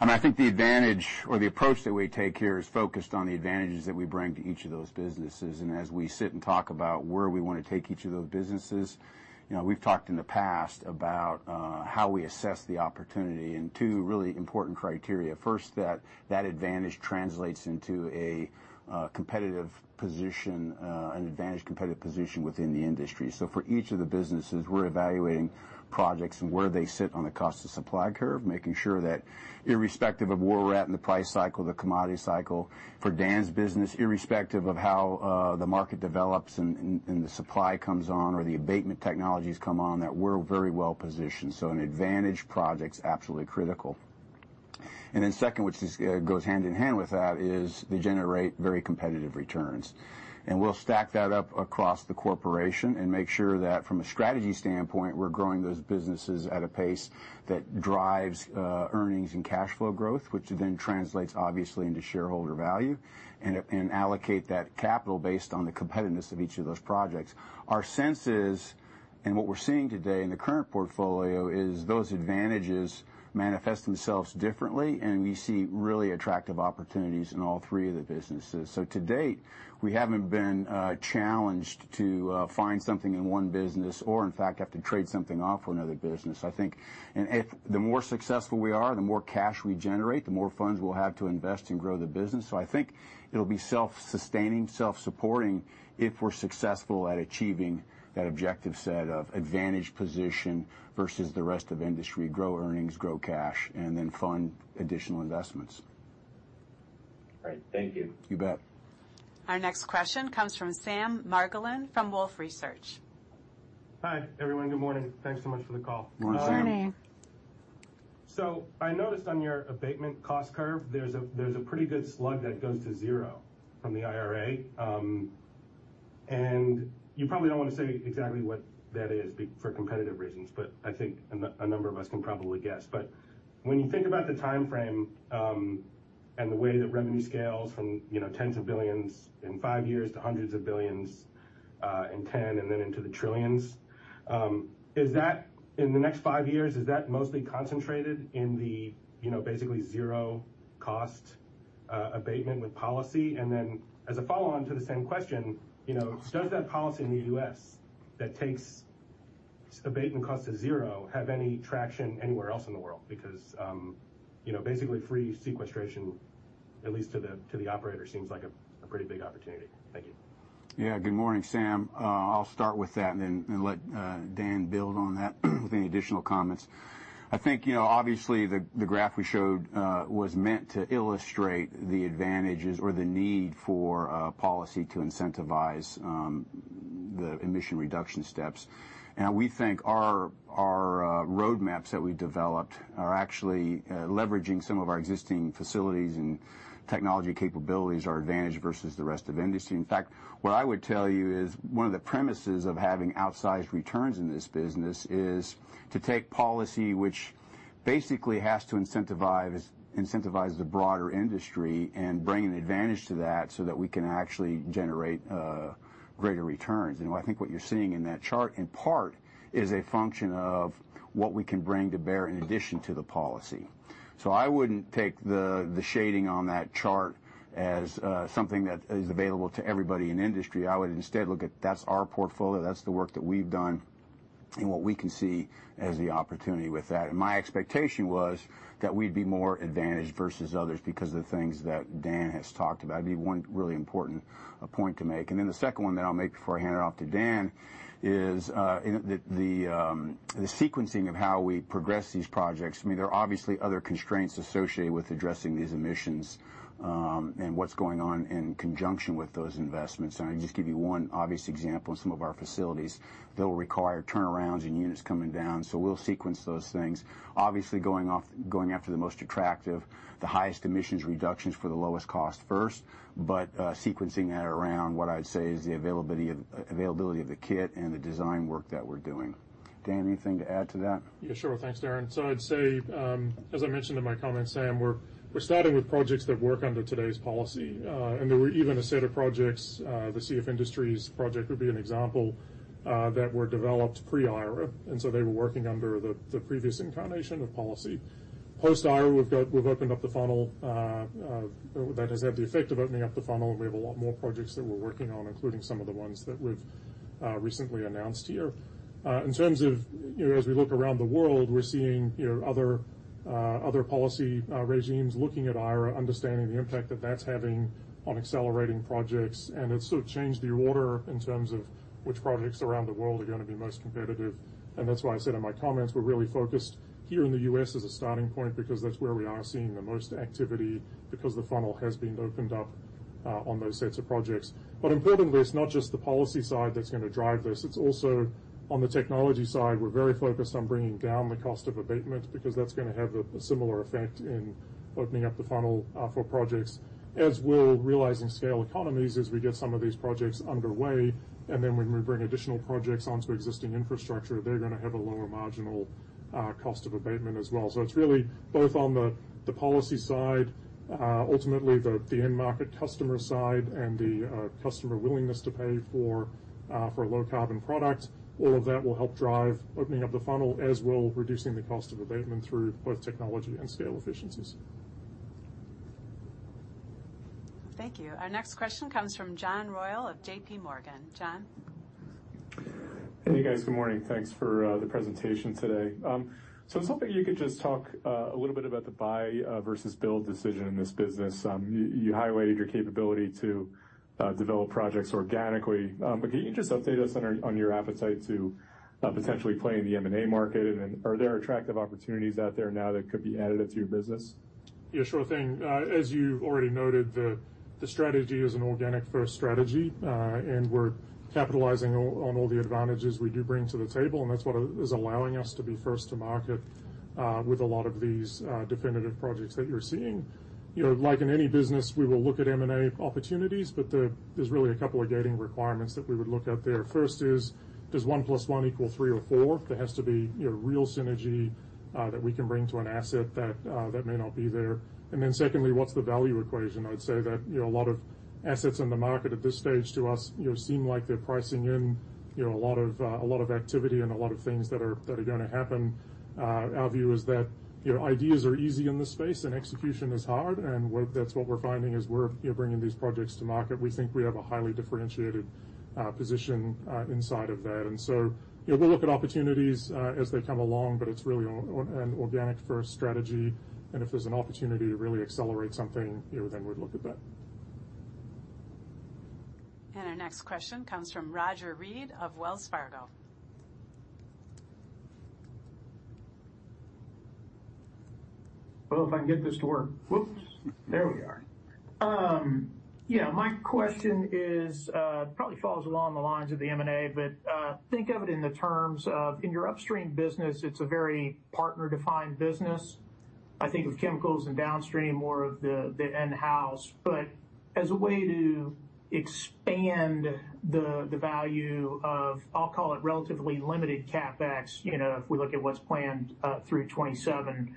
I mean, I think the advantage or the approach that we take here is focused on the advantages that we bring to each of those businesses. As we sit and talk about where we wanna take each of those businesses, you know, we've talked in the past about how we assess the opportunity in two really important criteria. First, that that advantage translates into a competitive position, an advantaged competitive position within the industry. For each of the businesses, we're evaluating projects and where they sit on the cost to supply curve, making sure that irrespective of where we're at in the price cycle, the commodity cycle, for Dan's business, irrespective of how the market develops and, and the supply comes on or the abatement technologies come on, that we're very well positioned. An advantaged project's absolutely critical. Then second, which is, goes hand in hand with that, is they generate very competitive returns. We'll stack that up across the corporation and make sure that from a strategy standpoint, we're growing those businesses at a pace that drives earnings and cash flow growth, which then translates obviously into shareholder value, and allocate that capital based on the competitiveness of each of those projects. Our sense is, and what we're seeing today in the current portfolio, is those advantages manifest themselves differently, and we see really attractive opportunities in all three of the businesses. To date, we haven't been challenged to find something in one business or in fact, have to trade something off for another business. The more successful we are, the more cash we generate, the more funds we'll have to invest and grow the business. I think it'll be self-sustaining, self-supporting if we're successful at achieving that objective set of advantaged position versus the rest of industry, grow earnings, grow cash, and then fund additional investments. Great. Thank you. You bet. Our next question comes from Sam Margolin from Wolfe Research. Hi, everyone. Good morning. Thanks so much for the call. Good morning. Good morning. I noticed on your abatement cost curve, there's a pretty good slug that goes to zero from the IRA. You probably don't wanna say exactly what that is for competitive reasons, but I think a number of us can probably guess. When you think about the timeframe, the way that revenue scales from, you know, tens of billions in five years to hundreds of billions, in 10, then into the trillions, in the next five years, is that mostly concentrated in the, you know, basically zero cost abatement with policy? As a follow-on to the same question, you know, does that policy in the U.S. that takes abatement cost to zero have any traction anywhere else in the world? You know, basically free sequestration, at least to the operator, seems like a pretty big opportunity. Thank you. Good morning, Sam. I'll start with that and then let Dan build on that with any additional comments. I think, you know, obviously the graph we showed was meant to illustrate the advantages or the need for a policy to incentivize the emission reduction steps. We think our roadmaps that we developed are actually leveraging some of our existing facilities and technology capabilities, our advantage versus the rest of industry. In fact, what I would tell you is one of the premises of having outsized returns in this business is to take policy, which basically has to incentivize the broader industry and bring an advantage to that so that we can actually generate greater returns. I think what you're seeing in that chart, in part, is a function of what we can bring to bear in addition to the policy. I wouldn't take the shading on that chart as something that is available to everybody in industry. I would instead look at that's our portfolio, that's the work that we've done and what we can see as the opportunity with that. My expectation was that we'd be more advantaged versus others because of the things that Dan has talked about. It'd be one really important point to make. Then the second one that I'll make before I hand it off to Dan is, you know, the sequencing of how we progress these projects. I mean, there are obviously other constraints associated with addressing these emissions and what's going on in conjunction with those investments. I can just give you one obvious example in some of our facilities. They'll require turnarounds and units coming down, so we'll sequence those things. Obviously, going after the most attractive, the highest emissions reductions for the lowest cost first, but sequencing that around what I'd say is the availability of the kit and the design work that we're doing. Dan, anything to add to that? Yeah, sure. Thanks, Darren. I'd say, as I mentioned in my comments, Sam, we're starting with projects that work under today's policy. There were even a set of projects, the CF Industries project would be an example, that were developed pre-IRA, they were working under the previous incarnation of policy. Post-IRA, we've opened up the funnel that has had the effect of opening up the funnel, we have a lot more projects that we're working on, including some of the ones that we've recently announced here. In terms of, you know, as we look around the world, we're seeing, you know, other other policy regimes looking at IRA, understanding the impact that that's having on accelerating projects. It's sort of changed the order in terms of which projects around the world are gonna be most competitive. That's why I said in my comments, we're really focused here in the U.S. as a starting point because that's where we are seeing the most activity because the funnel has been opened up on those sets of projects. Importantly, it's not just the policy side that's gonna drive this, it's also on the technology side, we're very focused on bringing down the cost of abatement because that's gonna have a similar effect in opening up the funnel for projects, as will realizing scale economies as we get some of these projects underway. When we bring additional projects onto existing infrastructure, they're gonna have a lower marginal cost of abatement as well. It's really both on the policy side, ultimately the end market customer side and the customer willingness to pay for a low carbon product. All of that will help drive opening up the funnel, as will reducing the cost of abatement through both technology and scale efficiencies. Thank you. Our next question comes from John Royall of JPMorgan. John? Hey, guys. Good morning. Thanks for the presentation today. I was hoping you could just talk a little bit about the buy versus build decision in this business. You highlighted your capability to develop projects organically. Can you just update us on your appetite to potentially play in the M&A market? Are there attractive opportunities out there now that could be additive to your business? Yeah, sure thing. As you've already noted, the strategy is an organic-first strategy. We're capitalizing on all the advantages we do bring to the table, and that's what is allowing us to be first to market, with a lot of these, definitive projects that you're seeing. You know, like in any business, we will look at M&A opportunities. There's really a couple of gating requirements that we would look at there. First is, does one plus one equal three or four? There has to be, you know, real synergy, that we can bring to an asset that may not be there. Secondly, what's the value equation? I'd say that, you know, a lot of assets in the market at this stage to us, you know, seem like they're pricing in, you know, a lot of activity and a lot of things that are gonna happen. Our view is that, you know, ideas are easy in this space and execution is hard, and that's what we're finding as we're, you know, bringing these projects to market. We think we have a highly differentiated position inside of that. We'll look at opportunities as they come along, but it's really an organic-first strategy. If there's an opportunity to really accelerate something, you know, then we'd look at that. Our next question comes from Roger Read of Wells Fargo. If I can get this to work. Whoops. There we are. Yeah, my question is, probably falls along the lines of the M&A, but think of it in the terms of in your upstream business, it's a very partner-defined business. I think with chemicals and downstream, more of the in-house. As a way to expand the value of, I'll call it relatively limited CapEx, you know, if we look at what's planned through 2027,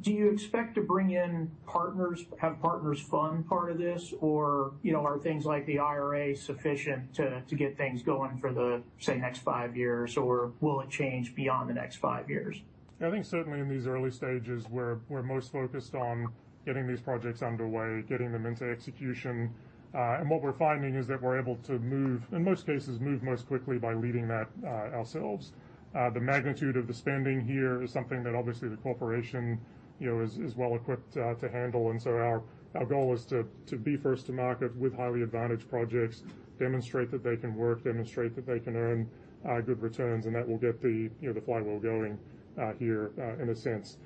do you expect to bring in partners? Have partners fund part of this? You know, are things like the IRA sufficient to get things going for the, say, next five years, or will it change beyond the next five years? I think certainly in these early stages, we're most focused on getting these projects underway, getting them into execution. What we're finding is that we're able to move most quickly by leading that ourselves. The magnitude of the spending here is something that obviously the corporation, you know, is well equipped to handle. Our goal is to be first to market with highly advantaged projects, demonstrate that they can work, demonstrate that they can earn good returns, and that will get the, you know, the flywheel going here in a sense.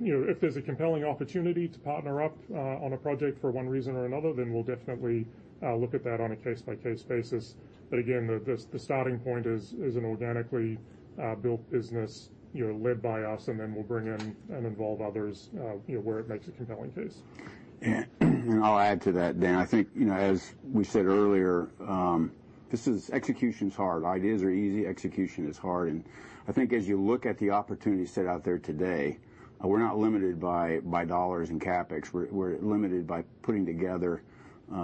You know, if there's a compelling opportunity to partner up on a project for one reason or another, then we'll definitely look at that on a case-by-case basis. Again, the starting point is an organically built business, you know, led by us, and then we'll bring in and involve others, you know, where it makes a compelling case. I'll add to that, Dan. I think, you know, as we said earlier, execution's hard. Ideas are easy, execution is hard. I think as you look at the opportunities set out there today, we're not limited by dollars and CapEx. We're limited by putting together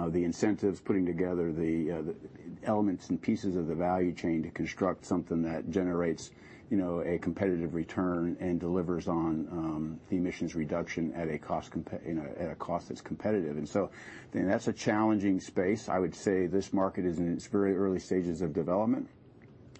the incentives, putting together the elements and pieces of the value chain to construct something that generates, you know, a competitive return and delivers on the emissions reduction at a cost, you know, at a cost that's competitive. That's a challenging space. I would say this market is in its very early stages of development.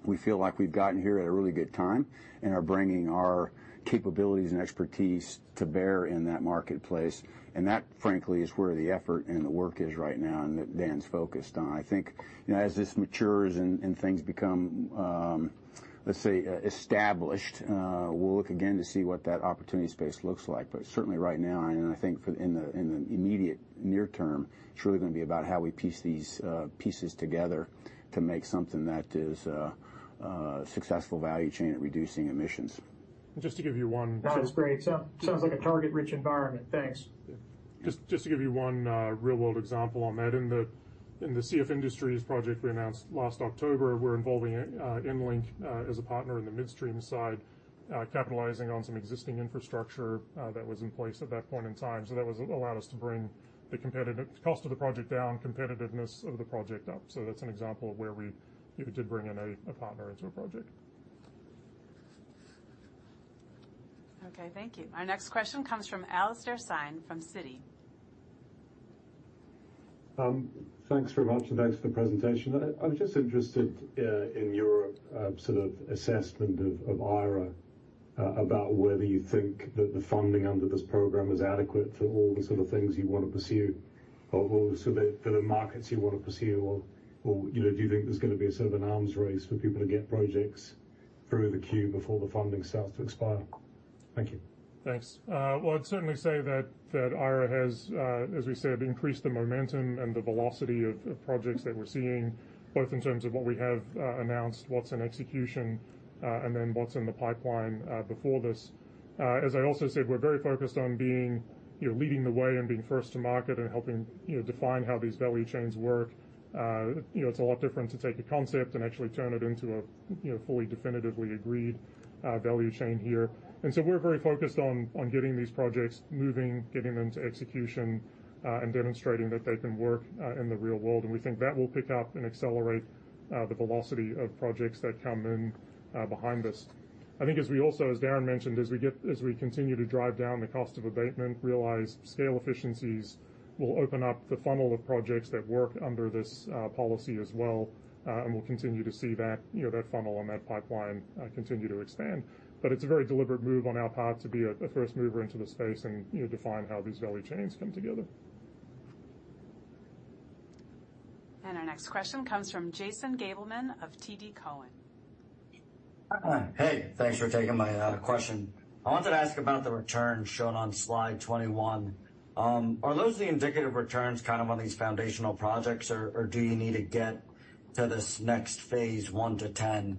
We feel like we've gotten here at a really good time and are bringing our capabilities and expertise to bear in that marketplace. That, frankly, is where the effort and the work is right now and that Dan's focused on. I think, you know, as this matures and things become, let's say, established, we'll look again to see what that opportunity space looks like. Certainly right now, and I think in the immediate near term, it's really gonna be about how we piece these pieces together to make something that is a successful value chain at reducing emissions. Just to give you one. No, that's great. Sounds like a target-rich environment. Thanks. Just to give you one real-world example on that. In the CF Industries project we announced last October, we're involving EnLink as a partner in the midstream side, capitalizing on some existing infrastructure that was in place at that point in time. That allowed us to bring the competitive cost of the project down, competitiveness of the project up. That's an example of where we, you know, did bring in a partner into a project. Okay, thank you. Our next question comes from Alastair Syme from Citi. Thanks very much, and thanks for the presentation. I'm just interested in your sort of assessment of IRA about whether you think that the funding under this program is adequate for all the sort of things you wanna pursue, or sort of the markets you wanna pursue. You know, do you think there's gonna be a sort of an arms race for people to get projects through the queue before the funding starts to expire? Thank you. Thanks. Well, I'd certainly say that IRA has, as we said, increased the momentum and the velocity of projects that we're seeing, both in terms of what we have, announced, what's in execution, and then what's in the pipeline, before this. As I also said, we're very focused on being, you know, leading the way and being first to market and helping, you know, define how these value chains work. You know, it's a lot different to take a concept and actually turn it into a, you know, fully definitively agreed, value chain here. We're very focused on getting these projects moving, getting them to execution, and demonstrating that they can work, in the real world. We think that will pick up and accelerate the velocity of projects that come in behind this. I think as we also, as Darren mentioned, as we continue to drive down the cost of abatement, realize scale efficiencies will open up the funnel of projects that work under this policy as well, and we'll continue to see that, you know, that funnel and that pipeline continue to expand. It's a very deliberate move on our part to be a first mover into the space and, you know, define how these value chains come together. Our next question comes from Jason Gabelman of TD Cowen. Hey, thanks for taking my question. I wanted to ask about the return shown on slide 21. Are those the indicative returns kind of on these foundational projects, or do you need to get to this next phase one to 10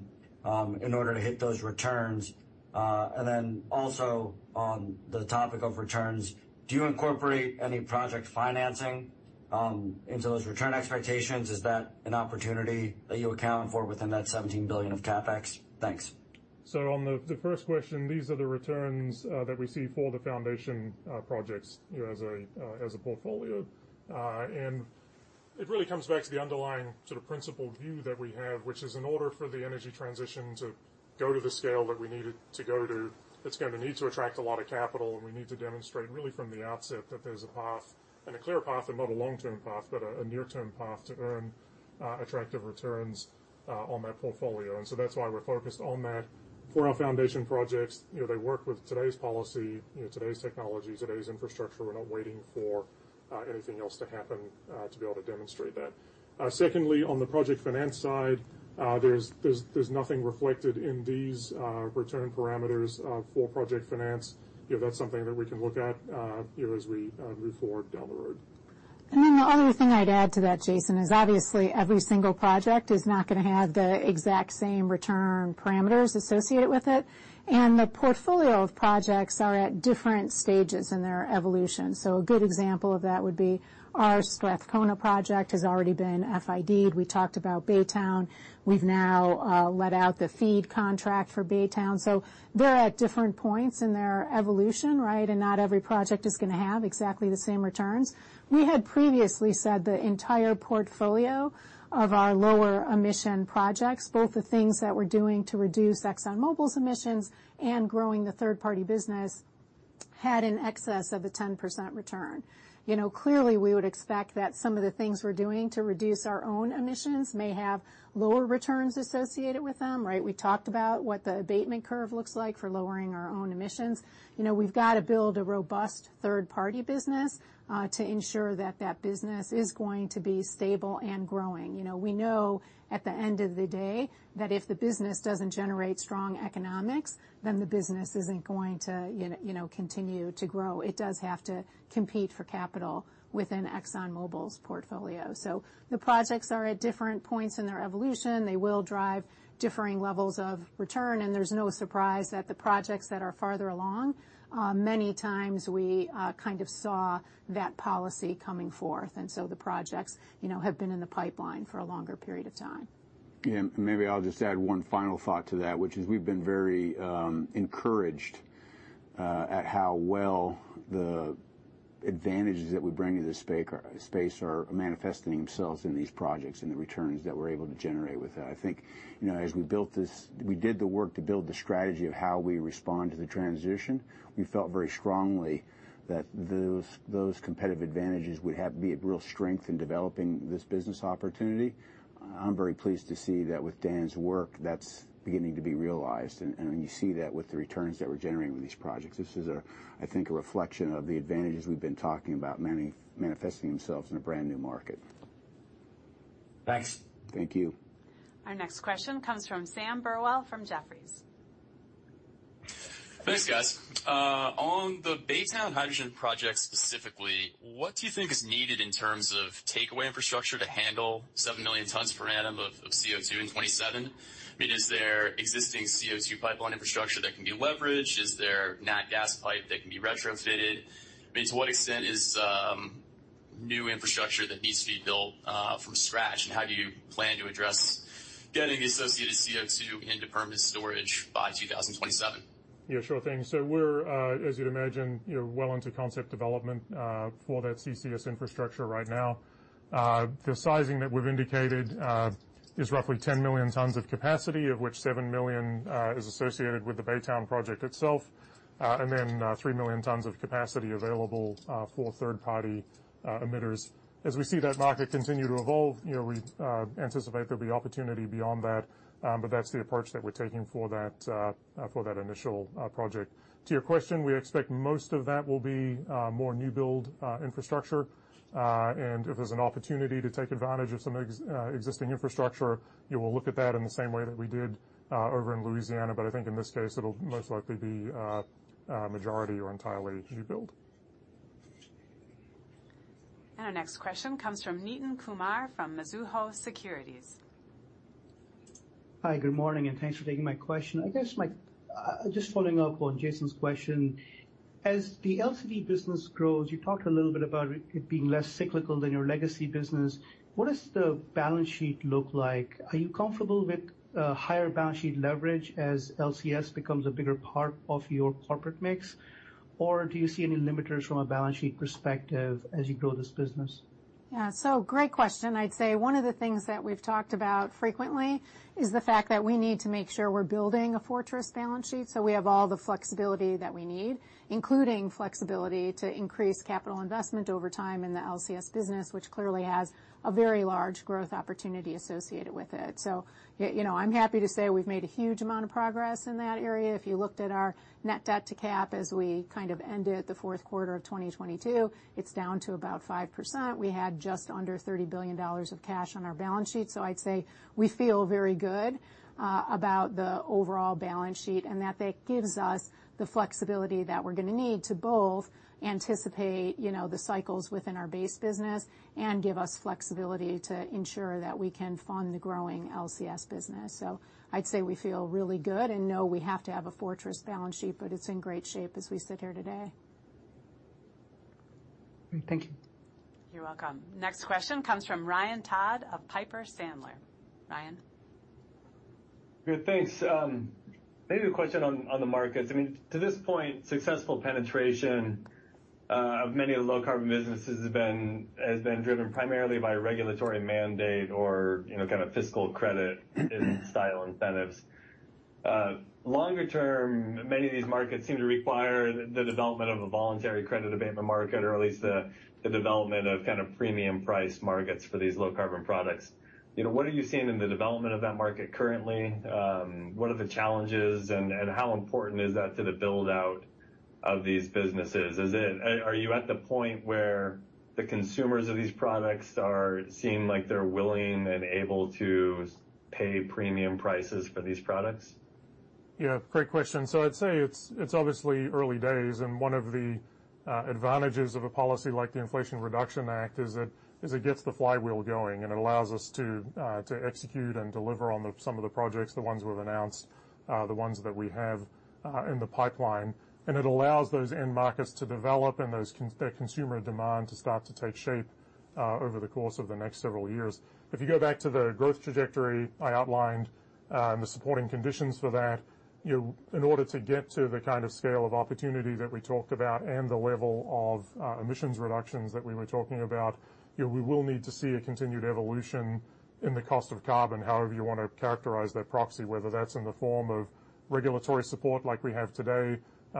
in order to hit those returns? Also on the topic of returns, do you incorporate any project financing into those return expectations? Is that an opportunity that you account for within that $17 billion of CapEx? Thanks. On the first question, these are the returns that we see for the foundation projects, you know, as a portfolio. It really comes back to the underlying sort of principle view that we have, which is in order for the energy transition to go to the scale that we need it to go to, it's gonna need to attract a lot of capital, and we need to demonstrate really from the outset that there's a path, and a clear path, and not a long-term path, but a near-term path to earn attractive returns on that portfolio. That's why we're focused on that. For our foundation projects, you know, they work with today's policy, you know, today's technology, today's infrastructure. We're not waiting for anything else to happen to be able to demonstrate that. Secondly, on the project finance side, there's nothing reflected in these return parameters, for project finance. You know, that's something that we can look at, you know, as we move forward down the road. The only thing I'd add to that, Jason, is obviously every single project is not gonna have the exact same return parameters associated with it, and the portfolio of projects are at different stages in their evolution. A good example of that would be our Strathcona project has already been FID'd. We talked about Baytown. We've now let out the FEED contract for Baytown. They're at different points in their evolution, right? Not every project is gonna have exactly the same returns. We had previously said the entire portfolio of our lower emission projects, both the things that we're doing to reduce ExxonMobil's emissions and growing the third-party business, had in excess of a 10% return. You know, clearly, we would expect that some of the things we're doing to reduce our own emissions may have lower returns associated with them, right? We talked about what the abatement curve looks like for lowering our own emissions. You know, we've got to build a robust third-party business to ensure that that business is going to be stable and growing. You know, we know at the end of the day, that if the business doesn't generate strong economics, then the business isn't going to, you know, continue to grow. It does have to compete for capital within ExxonMobil's portfolio. The projects are at different points in their evolution. They will drive differing levels of return, and there's no surprise that the projects that are farther along, many times we, kind of saw that policy coming forth. The projects, you know, have been in the pipeline for a longer period of time. Maybe I'll just add one final thought to that, which is we've been very encouraged at how well the advantages that we bring to this space are manifesting themselves in these projects and the returns that we're able to generate with that. I think, you know, as we built this, we did the work to build the strategy of how we respond to the transition. We felt very strongly that those competitive advantages be a real strength in developing this business opportunity. I'm very pleased to see that with Dan's work, that's beginning to be realized. You see that with the returns that we're generating with these projects. This is a, I think, a reflection of the advantages we've been talking about manifesting themselves in a brand-new market. Thanks. Thank you. Our next question comes from Sam Burwell from Jefferies. Thanks, guys. On the Baytown Hydrogen project specifically, what do you think is needed in terms of takeaway infrastructure to handle 7 million tons per annum of CO₂ in 2027? I mean, is there existing CO₂ pipeline infrastructure that can be leveraged? Is there nat gas pipe that can be retrofitted? I mean, to what extent is new infrastructure that needs to be built from scratch, and how do you plan to address getting the associated CO₂ into permanent storage by 2027? Yeah, sure thing. We're, as you'd imagine, you know, well into concept development for that CCS infrastructure right now. The sizing that we've indicated is roughly 10 million tons of capacity, of which 7 million is associated with the Baytown project itself, and then 3 million tons of capacity available for third-party emitters. As we see that market continue to evolve, you know, we anticipate there'll be opportunity beyond that, That's the approach that we're taking for that initial project. To your question, we expect most of that will be more new build infrastructure, and if there's an opportunity to take advantage of some existing infrastructure, you will look at that in the same way that we did over in Louisiana. I think in this case, it'll most likely be majority or entirely new build. Our next question comes from Nitin Kumar from Mizuho Securities. Hi, good morning. Thanks for taking my question. I guess my just following up on Jason's question. As the LCS business grows, you talked a little bit about it being less cyclical than your legacy business. What does the balance sheet look like? Are you comfortable with higher balance sheet leverage as LCS becomes a bigger part of your corporate mix? Do you see any limiters from a balance sheet perspective as you grow this business? Yeah. Great question. I'd say one of the things that we've talked about frequently is the fact that we need to make sure we're building a fortress balance sheet so we have all the flexibility that we need, including flexibility to increase capital investment over time in the LCS business, which clearly has a very large growth opportunity associated with it. You know, I'm happy to say we've made a huge amount of progress in that area. If you looked at our net debt to cap as we kind of ended the fourth quarter of 2022, it's down to about 5%. We had just under $30 billion of cash on our balance sheet. I'd say we feel very good about the overall balance sheet, and that gives us the flexibility that we're gonna need to both anticipate, you know, the cycles within our base business and give us flexibility to ensure that we can fund the growing LCS business. I'd say we feel really good and know we have to have a fortress balance sheet, but it's in great shape as we sit here today. Great. Thank you. You're welcome. Next question comes from Ryan Todd of Piper Sandler. Ryan. Good, thanks. Maybe a question on the markets. I mean, to this point, successful penetration of many low carbon businesses has been driven primarily by regulatory mandate or, you know, kind of fiscal credit style incentives. Longer term, many of these markets seem to require the development of a voluntary credit abatement market, or at least the development of kind of premium priced markets for these low carbon products. You know, what are you seeing in the development of that market currently? What are the challenges and how important is that to the build-out of these businesses? Are you at the point where the consumers of these products are seeing like they're willing and able to pay premium prices for these products? Yeah, great question. I'd say it's obviously early days, and one of the advantages of a policy like the Inflation Reduction Act is that it gets the flywheel going, and it allows us to execute and deliver on some of the projects, the ones we've announced, the ones that we have in the pipeline. It allows those end markets to develop and their consumer demand to start to take shape over the course of the next several years. If you go back to the growth trajectory I outlined, and the supporting conditions for that, you know, in order to get to the kind of scale of opportunity that we talked about and the level of emissions reductions that we were talking about, you know, we will need to see a continued evolution in the cost of carbon, however you wanna characterize that proxy, whether that's in the form of regulatory support like we have today,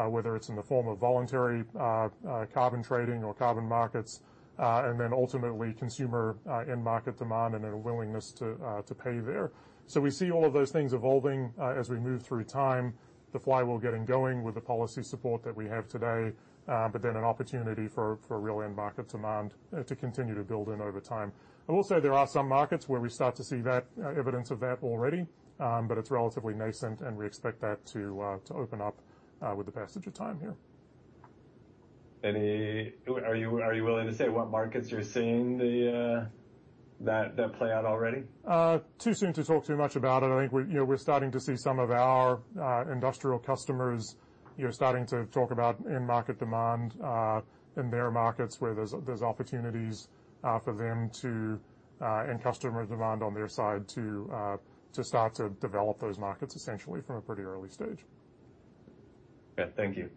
whether it's in the form of voluntary, carbon trading or carbon markets, and then ultimately consumer, end market demand and a willingness to pay there. We see all of those things evolving, as we move through time. The flywheel getting going with the policy support that we have today, but then an opportunity for real end market demand, to continue to build in over time. I will say there are some markets where we start to see that, evidence of that already, but it's relatively nascent, and we expect that to open up, with the passage of time. Yeah. Are you willing to say what markets you're seeing the that play out already? Too soon to talk too much about it. I think we're, you know, we're starting to see some of our industrial customers, you know, starting to talk about end market demand in their markets, where there's opportunities for them to and customer demand on their side to start to develop those markets essentially from a pretty early stage. Yeah. Thank you.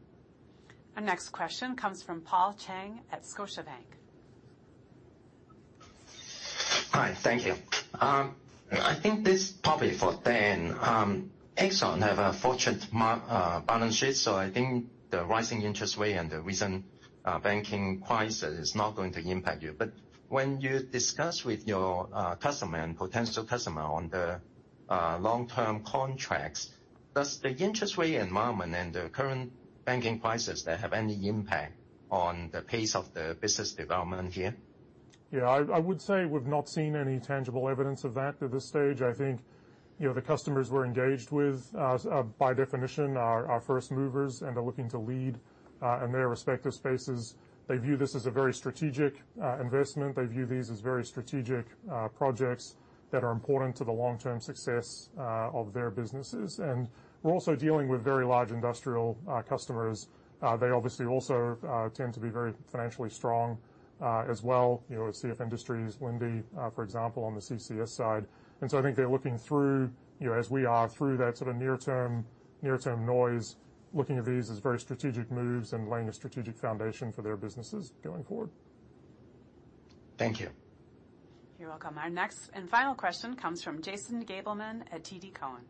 Our next question comes from Paul Cheng at Scotiabank. Hi. Thank you. I think this probably for Dan. Exxon have a fortunate balance sheet, so I think the rising interest rate and the recent banking crisis is not going to impact you. When you discuss with your customer and potential customer on the long-term contracts, does the interest rate environment and the current banking crisis there have any impact on the pace of the business development here? Yeah. I would say we've not seen any tangible evidence of that at this stage. I think, you know, the customers we're engaged with, by definition, are first movers and are looking to lead in their respective spaces. They view this as a very strategic investment. They view these as very strategic projects that are important to the long-term success of their businesses. We're also dealing with very large industrial customers. They obviously also tend to be very financially strong as well, you know, CF Industries, Linde, for example, on the CCS side. I think they're looking through, you know, as we are, through that sort of near-term noise, looking at these as very strategic moves and laying a strategic foundation for their businesses going forward. Thank you. You're welcome. Our next and final question comes from Jason Gabelman at TD Cowen.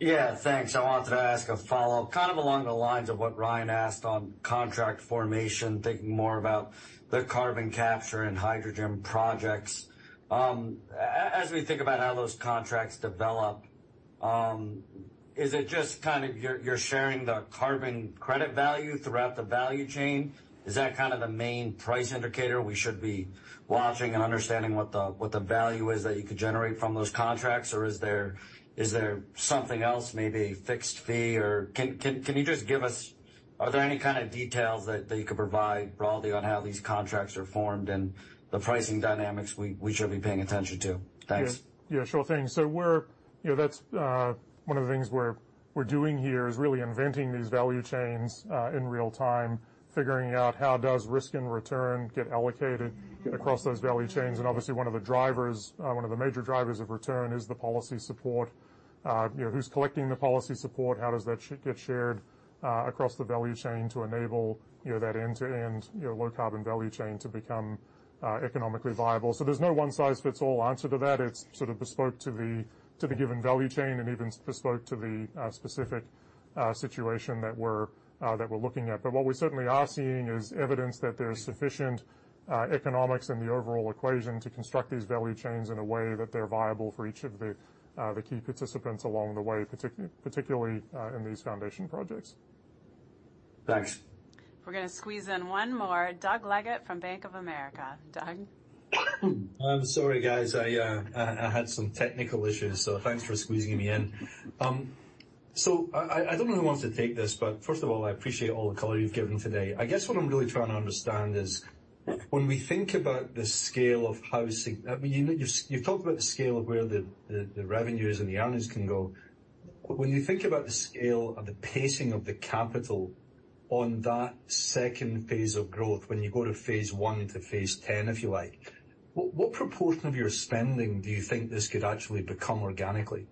Yeah. Thanks. I wanted to ask a follow-up, kind of along the lines of what Ryan asked on contract formation, thinking more about the carbon capture and hydrogen projects. As we think about how those contracts develop, is it just kind of you're sharing the carbon credit value throughout the value chain? Is that kind of the main price indicator we should be watching and understanding what the, what the value is that you could generate from those contracts, or is there, is there something else, maybe fixed fee? Can you just give us. Are there any kind of details that you could provide broadly on how these contracts are formed and the pricing dynamics we should be paying attention to? Thanks. Yeah. Sure thing. You know, that's one of the things we're doing here is really inventing these value chains in real time, figuring out how does risk and return get allocated across those value chains. Obviously one of the drivers, one of the major drivers of return is the policy support. You know, who's collecting the policy support, how does that get shared across the value chain to enable, you know, that end-to-end, you know, low-carbon value chain to become economically viable. There's no one-size-fits-all answer to that. It's sort of bespoke to the given value chain and even bespoke to the specific situation that we're looking at. What we certainly are seeing is evidence that there's sufficient economics in the overall equation to construct these value chains in a way that they're viable for each of the key participants along the way, particularly in these foundation projects. Thanks. We're gonna squeeze in one more. Doug Leggate from Bank of America. Doug? I'm sorry, guys. I had some technical issues, so thanks for squeezing me in. I don't know who wants to take this, but first of all, I appreciate all the color you've given today. I guess what I'm really trying to understand is when we think about the scale of how you've talked about the scale of where the revenues and the earnings can go. When you think about the scale of the pacing of the capital on that second phase of growth, when you go to phase one to phase 10, if you like, what proportion of your spending do you think this could actually become organically?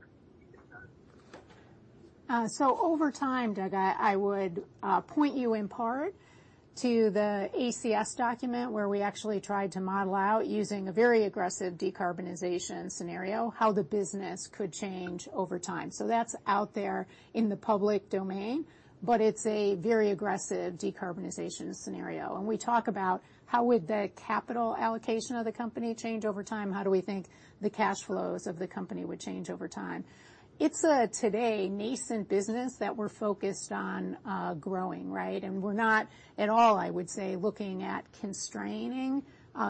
Over time, Doug, I would point you in part to the ACS document, where we actually tried to model out using a very aggressive decarbonization scenario, how the business could change over time. That's out there in the public domain, but it's a very aggressive decarbonization scenario. We talk about how would the capital allocation of the company change over time? How do we think the cash flows of the company would change over time? It's a today, nascent business that we're focused on growing, right? We're not at all, I would say, looking at constraining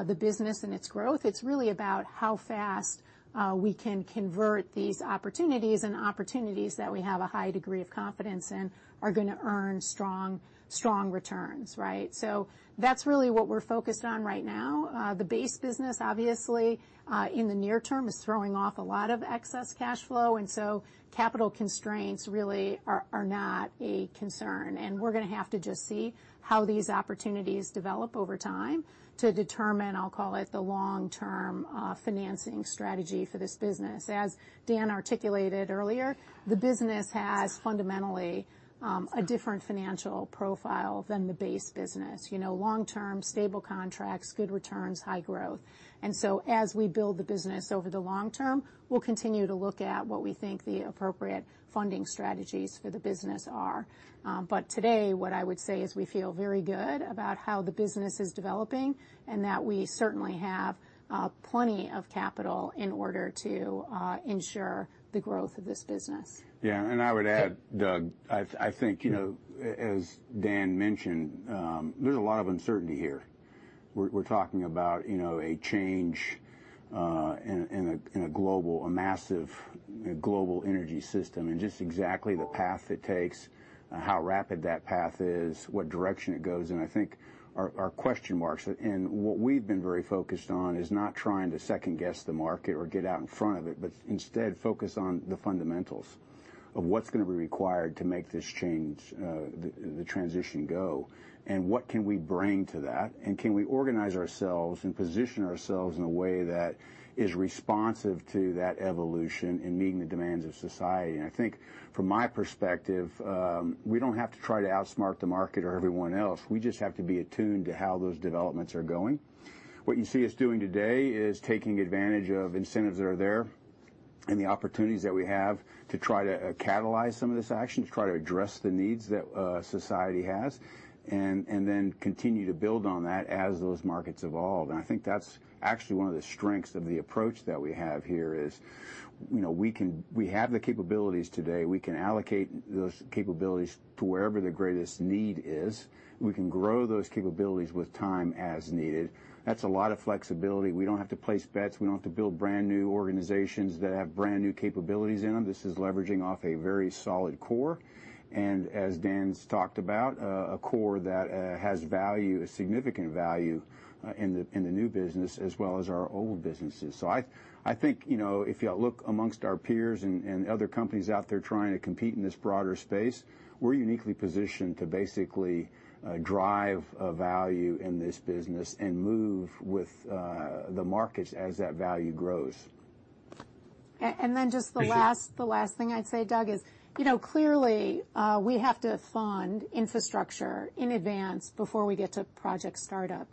the business and its growth. It's really about how fast we can convert these opportunities and opportunities that we have a high degree of confidence in are gonna earn strong returns, right? That's really what we're focused on right now. The base business, obviously, in the near term is throwing off a lot of excess cash flow, capital constraints really are not a concern. We're gonna have to just see how these opportunities develop over time to determine, I'll call it, the long-term financing strategy for this business. As Dan articulated earlier, the business has fundamentally a different financial profile than the base business. You know, long-term stable contracts, good returns, high growth. As we build the business over the long term, we'll continue to look at what we think the appropriate funding strategies for the business are. Today, what I would say is we feel very good about how the business is developing and that we certainly have plenty of capital in order to ensure the growth of this business. I would add, Doug, I think, you know, as Dan mentioned, there's a lot of uncertainty here. We're talking about, you know, a change in a, in a global, a massive, you know, global energy system and just exactly the path it takes, how rapid that path is, what direction it goes in, I think are question marks. What we've been very focused on is not trying to second-guess the market or get out in front of it, but instead focus on the fundamentals of what's gonna be required to make this change, the transition go and what can we bring to that and can we organize ourselves and position ourselves in a way that is responsive to that evolution and meeting the demands of society. I think from my perspective, we don't have to try to outsmart the market or everyone else. We just have to be attuned to how those developments are going. What you see us doing today is taking advantage of incentives that are there and the opportunities that we have to try to catalyze some of this action, to try to address the needs that society has, and then continue to build on that as those markets evolve. I think that's actually one of the strengths of the approach that we have here, is, you know, we have the capabilities today, we can allocate those capabilities to wherever the greatest need is. We can grow those capabilities with time as needed. That's a lot of flexibility. We don't have to place bets. We don't have to build brand-new organizations that have brand-new capabilities in them. This is leveraging off a very solid core, and as Dan's talked about, a core that has value, a significant value, in the, in the new business as well as our old businesses. I think, you know, if you look amongst our peers and other companies out there trying to compete in this broader space, we're uniquely positioned to basically drive value in this business and move with the markets as that value grows. Then just the last. The last thing I'd say, Doug, is, you know, clearly, we have to fund infrastructure in advance before we get to project startup,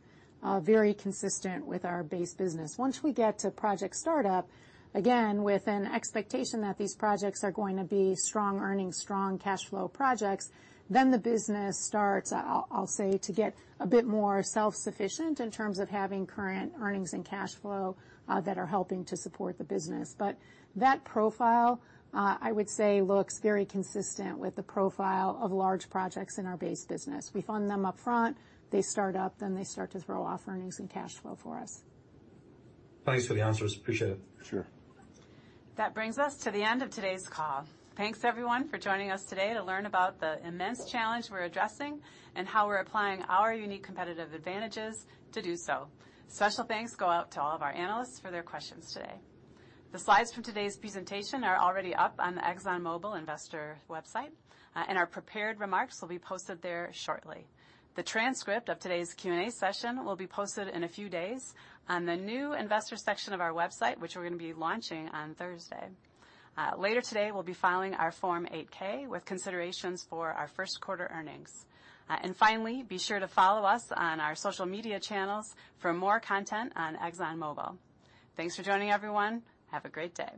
very consistent with our base business. Once we get to project startup, again, with an expectation that these projects are going to be strong earnings, strong cash flow projects, then the business starts, I'll say, to get a bit more self-sufficient in terms of having current earnings and cash flow, that are helping to support the business. That profile, I would say, looks very consistent with the profile of large projects in our base business. We fund them up front. They start up. Then they start to throw off earnings and cash flow for us. Thanks for the answers. Appreciate it. Sure. That brings us to the end of today's call. Thanks, everyone, for joining us today to learn about the immense challenge we're addressing and how we're applying our unique competitive advantages to do so. Special thanks go out to all of our analysts for their questions today. The slides from today's presentation are already up on the ExxonMobil investor website, and our prepared remarks will be posted there shortly. The transcript of today's Q&A session will be posted in a few days on the new investor section of our website, which we're gonna be launching on Thursday. Later today, we'll be filing our Form 8-K with considerations for our first quarter earnings. Finally, be sure to follow us on our social media channels for more content on ExxonMobil. Thanks for joining, everyone. Have a great day.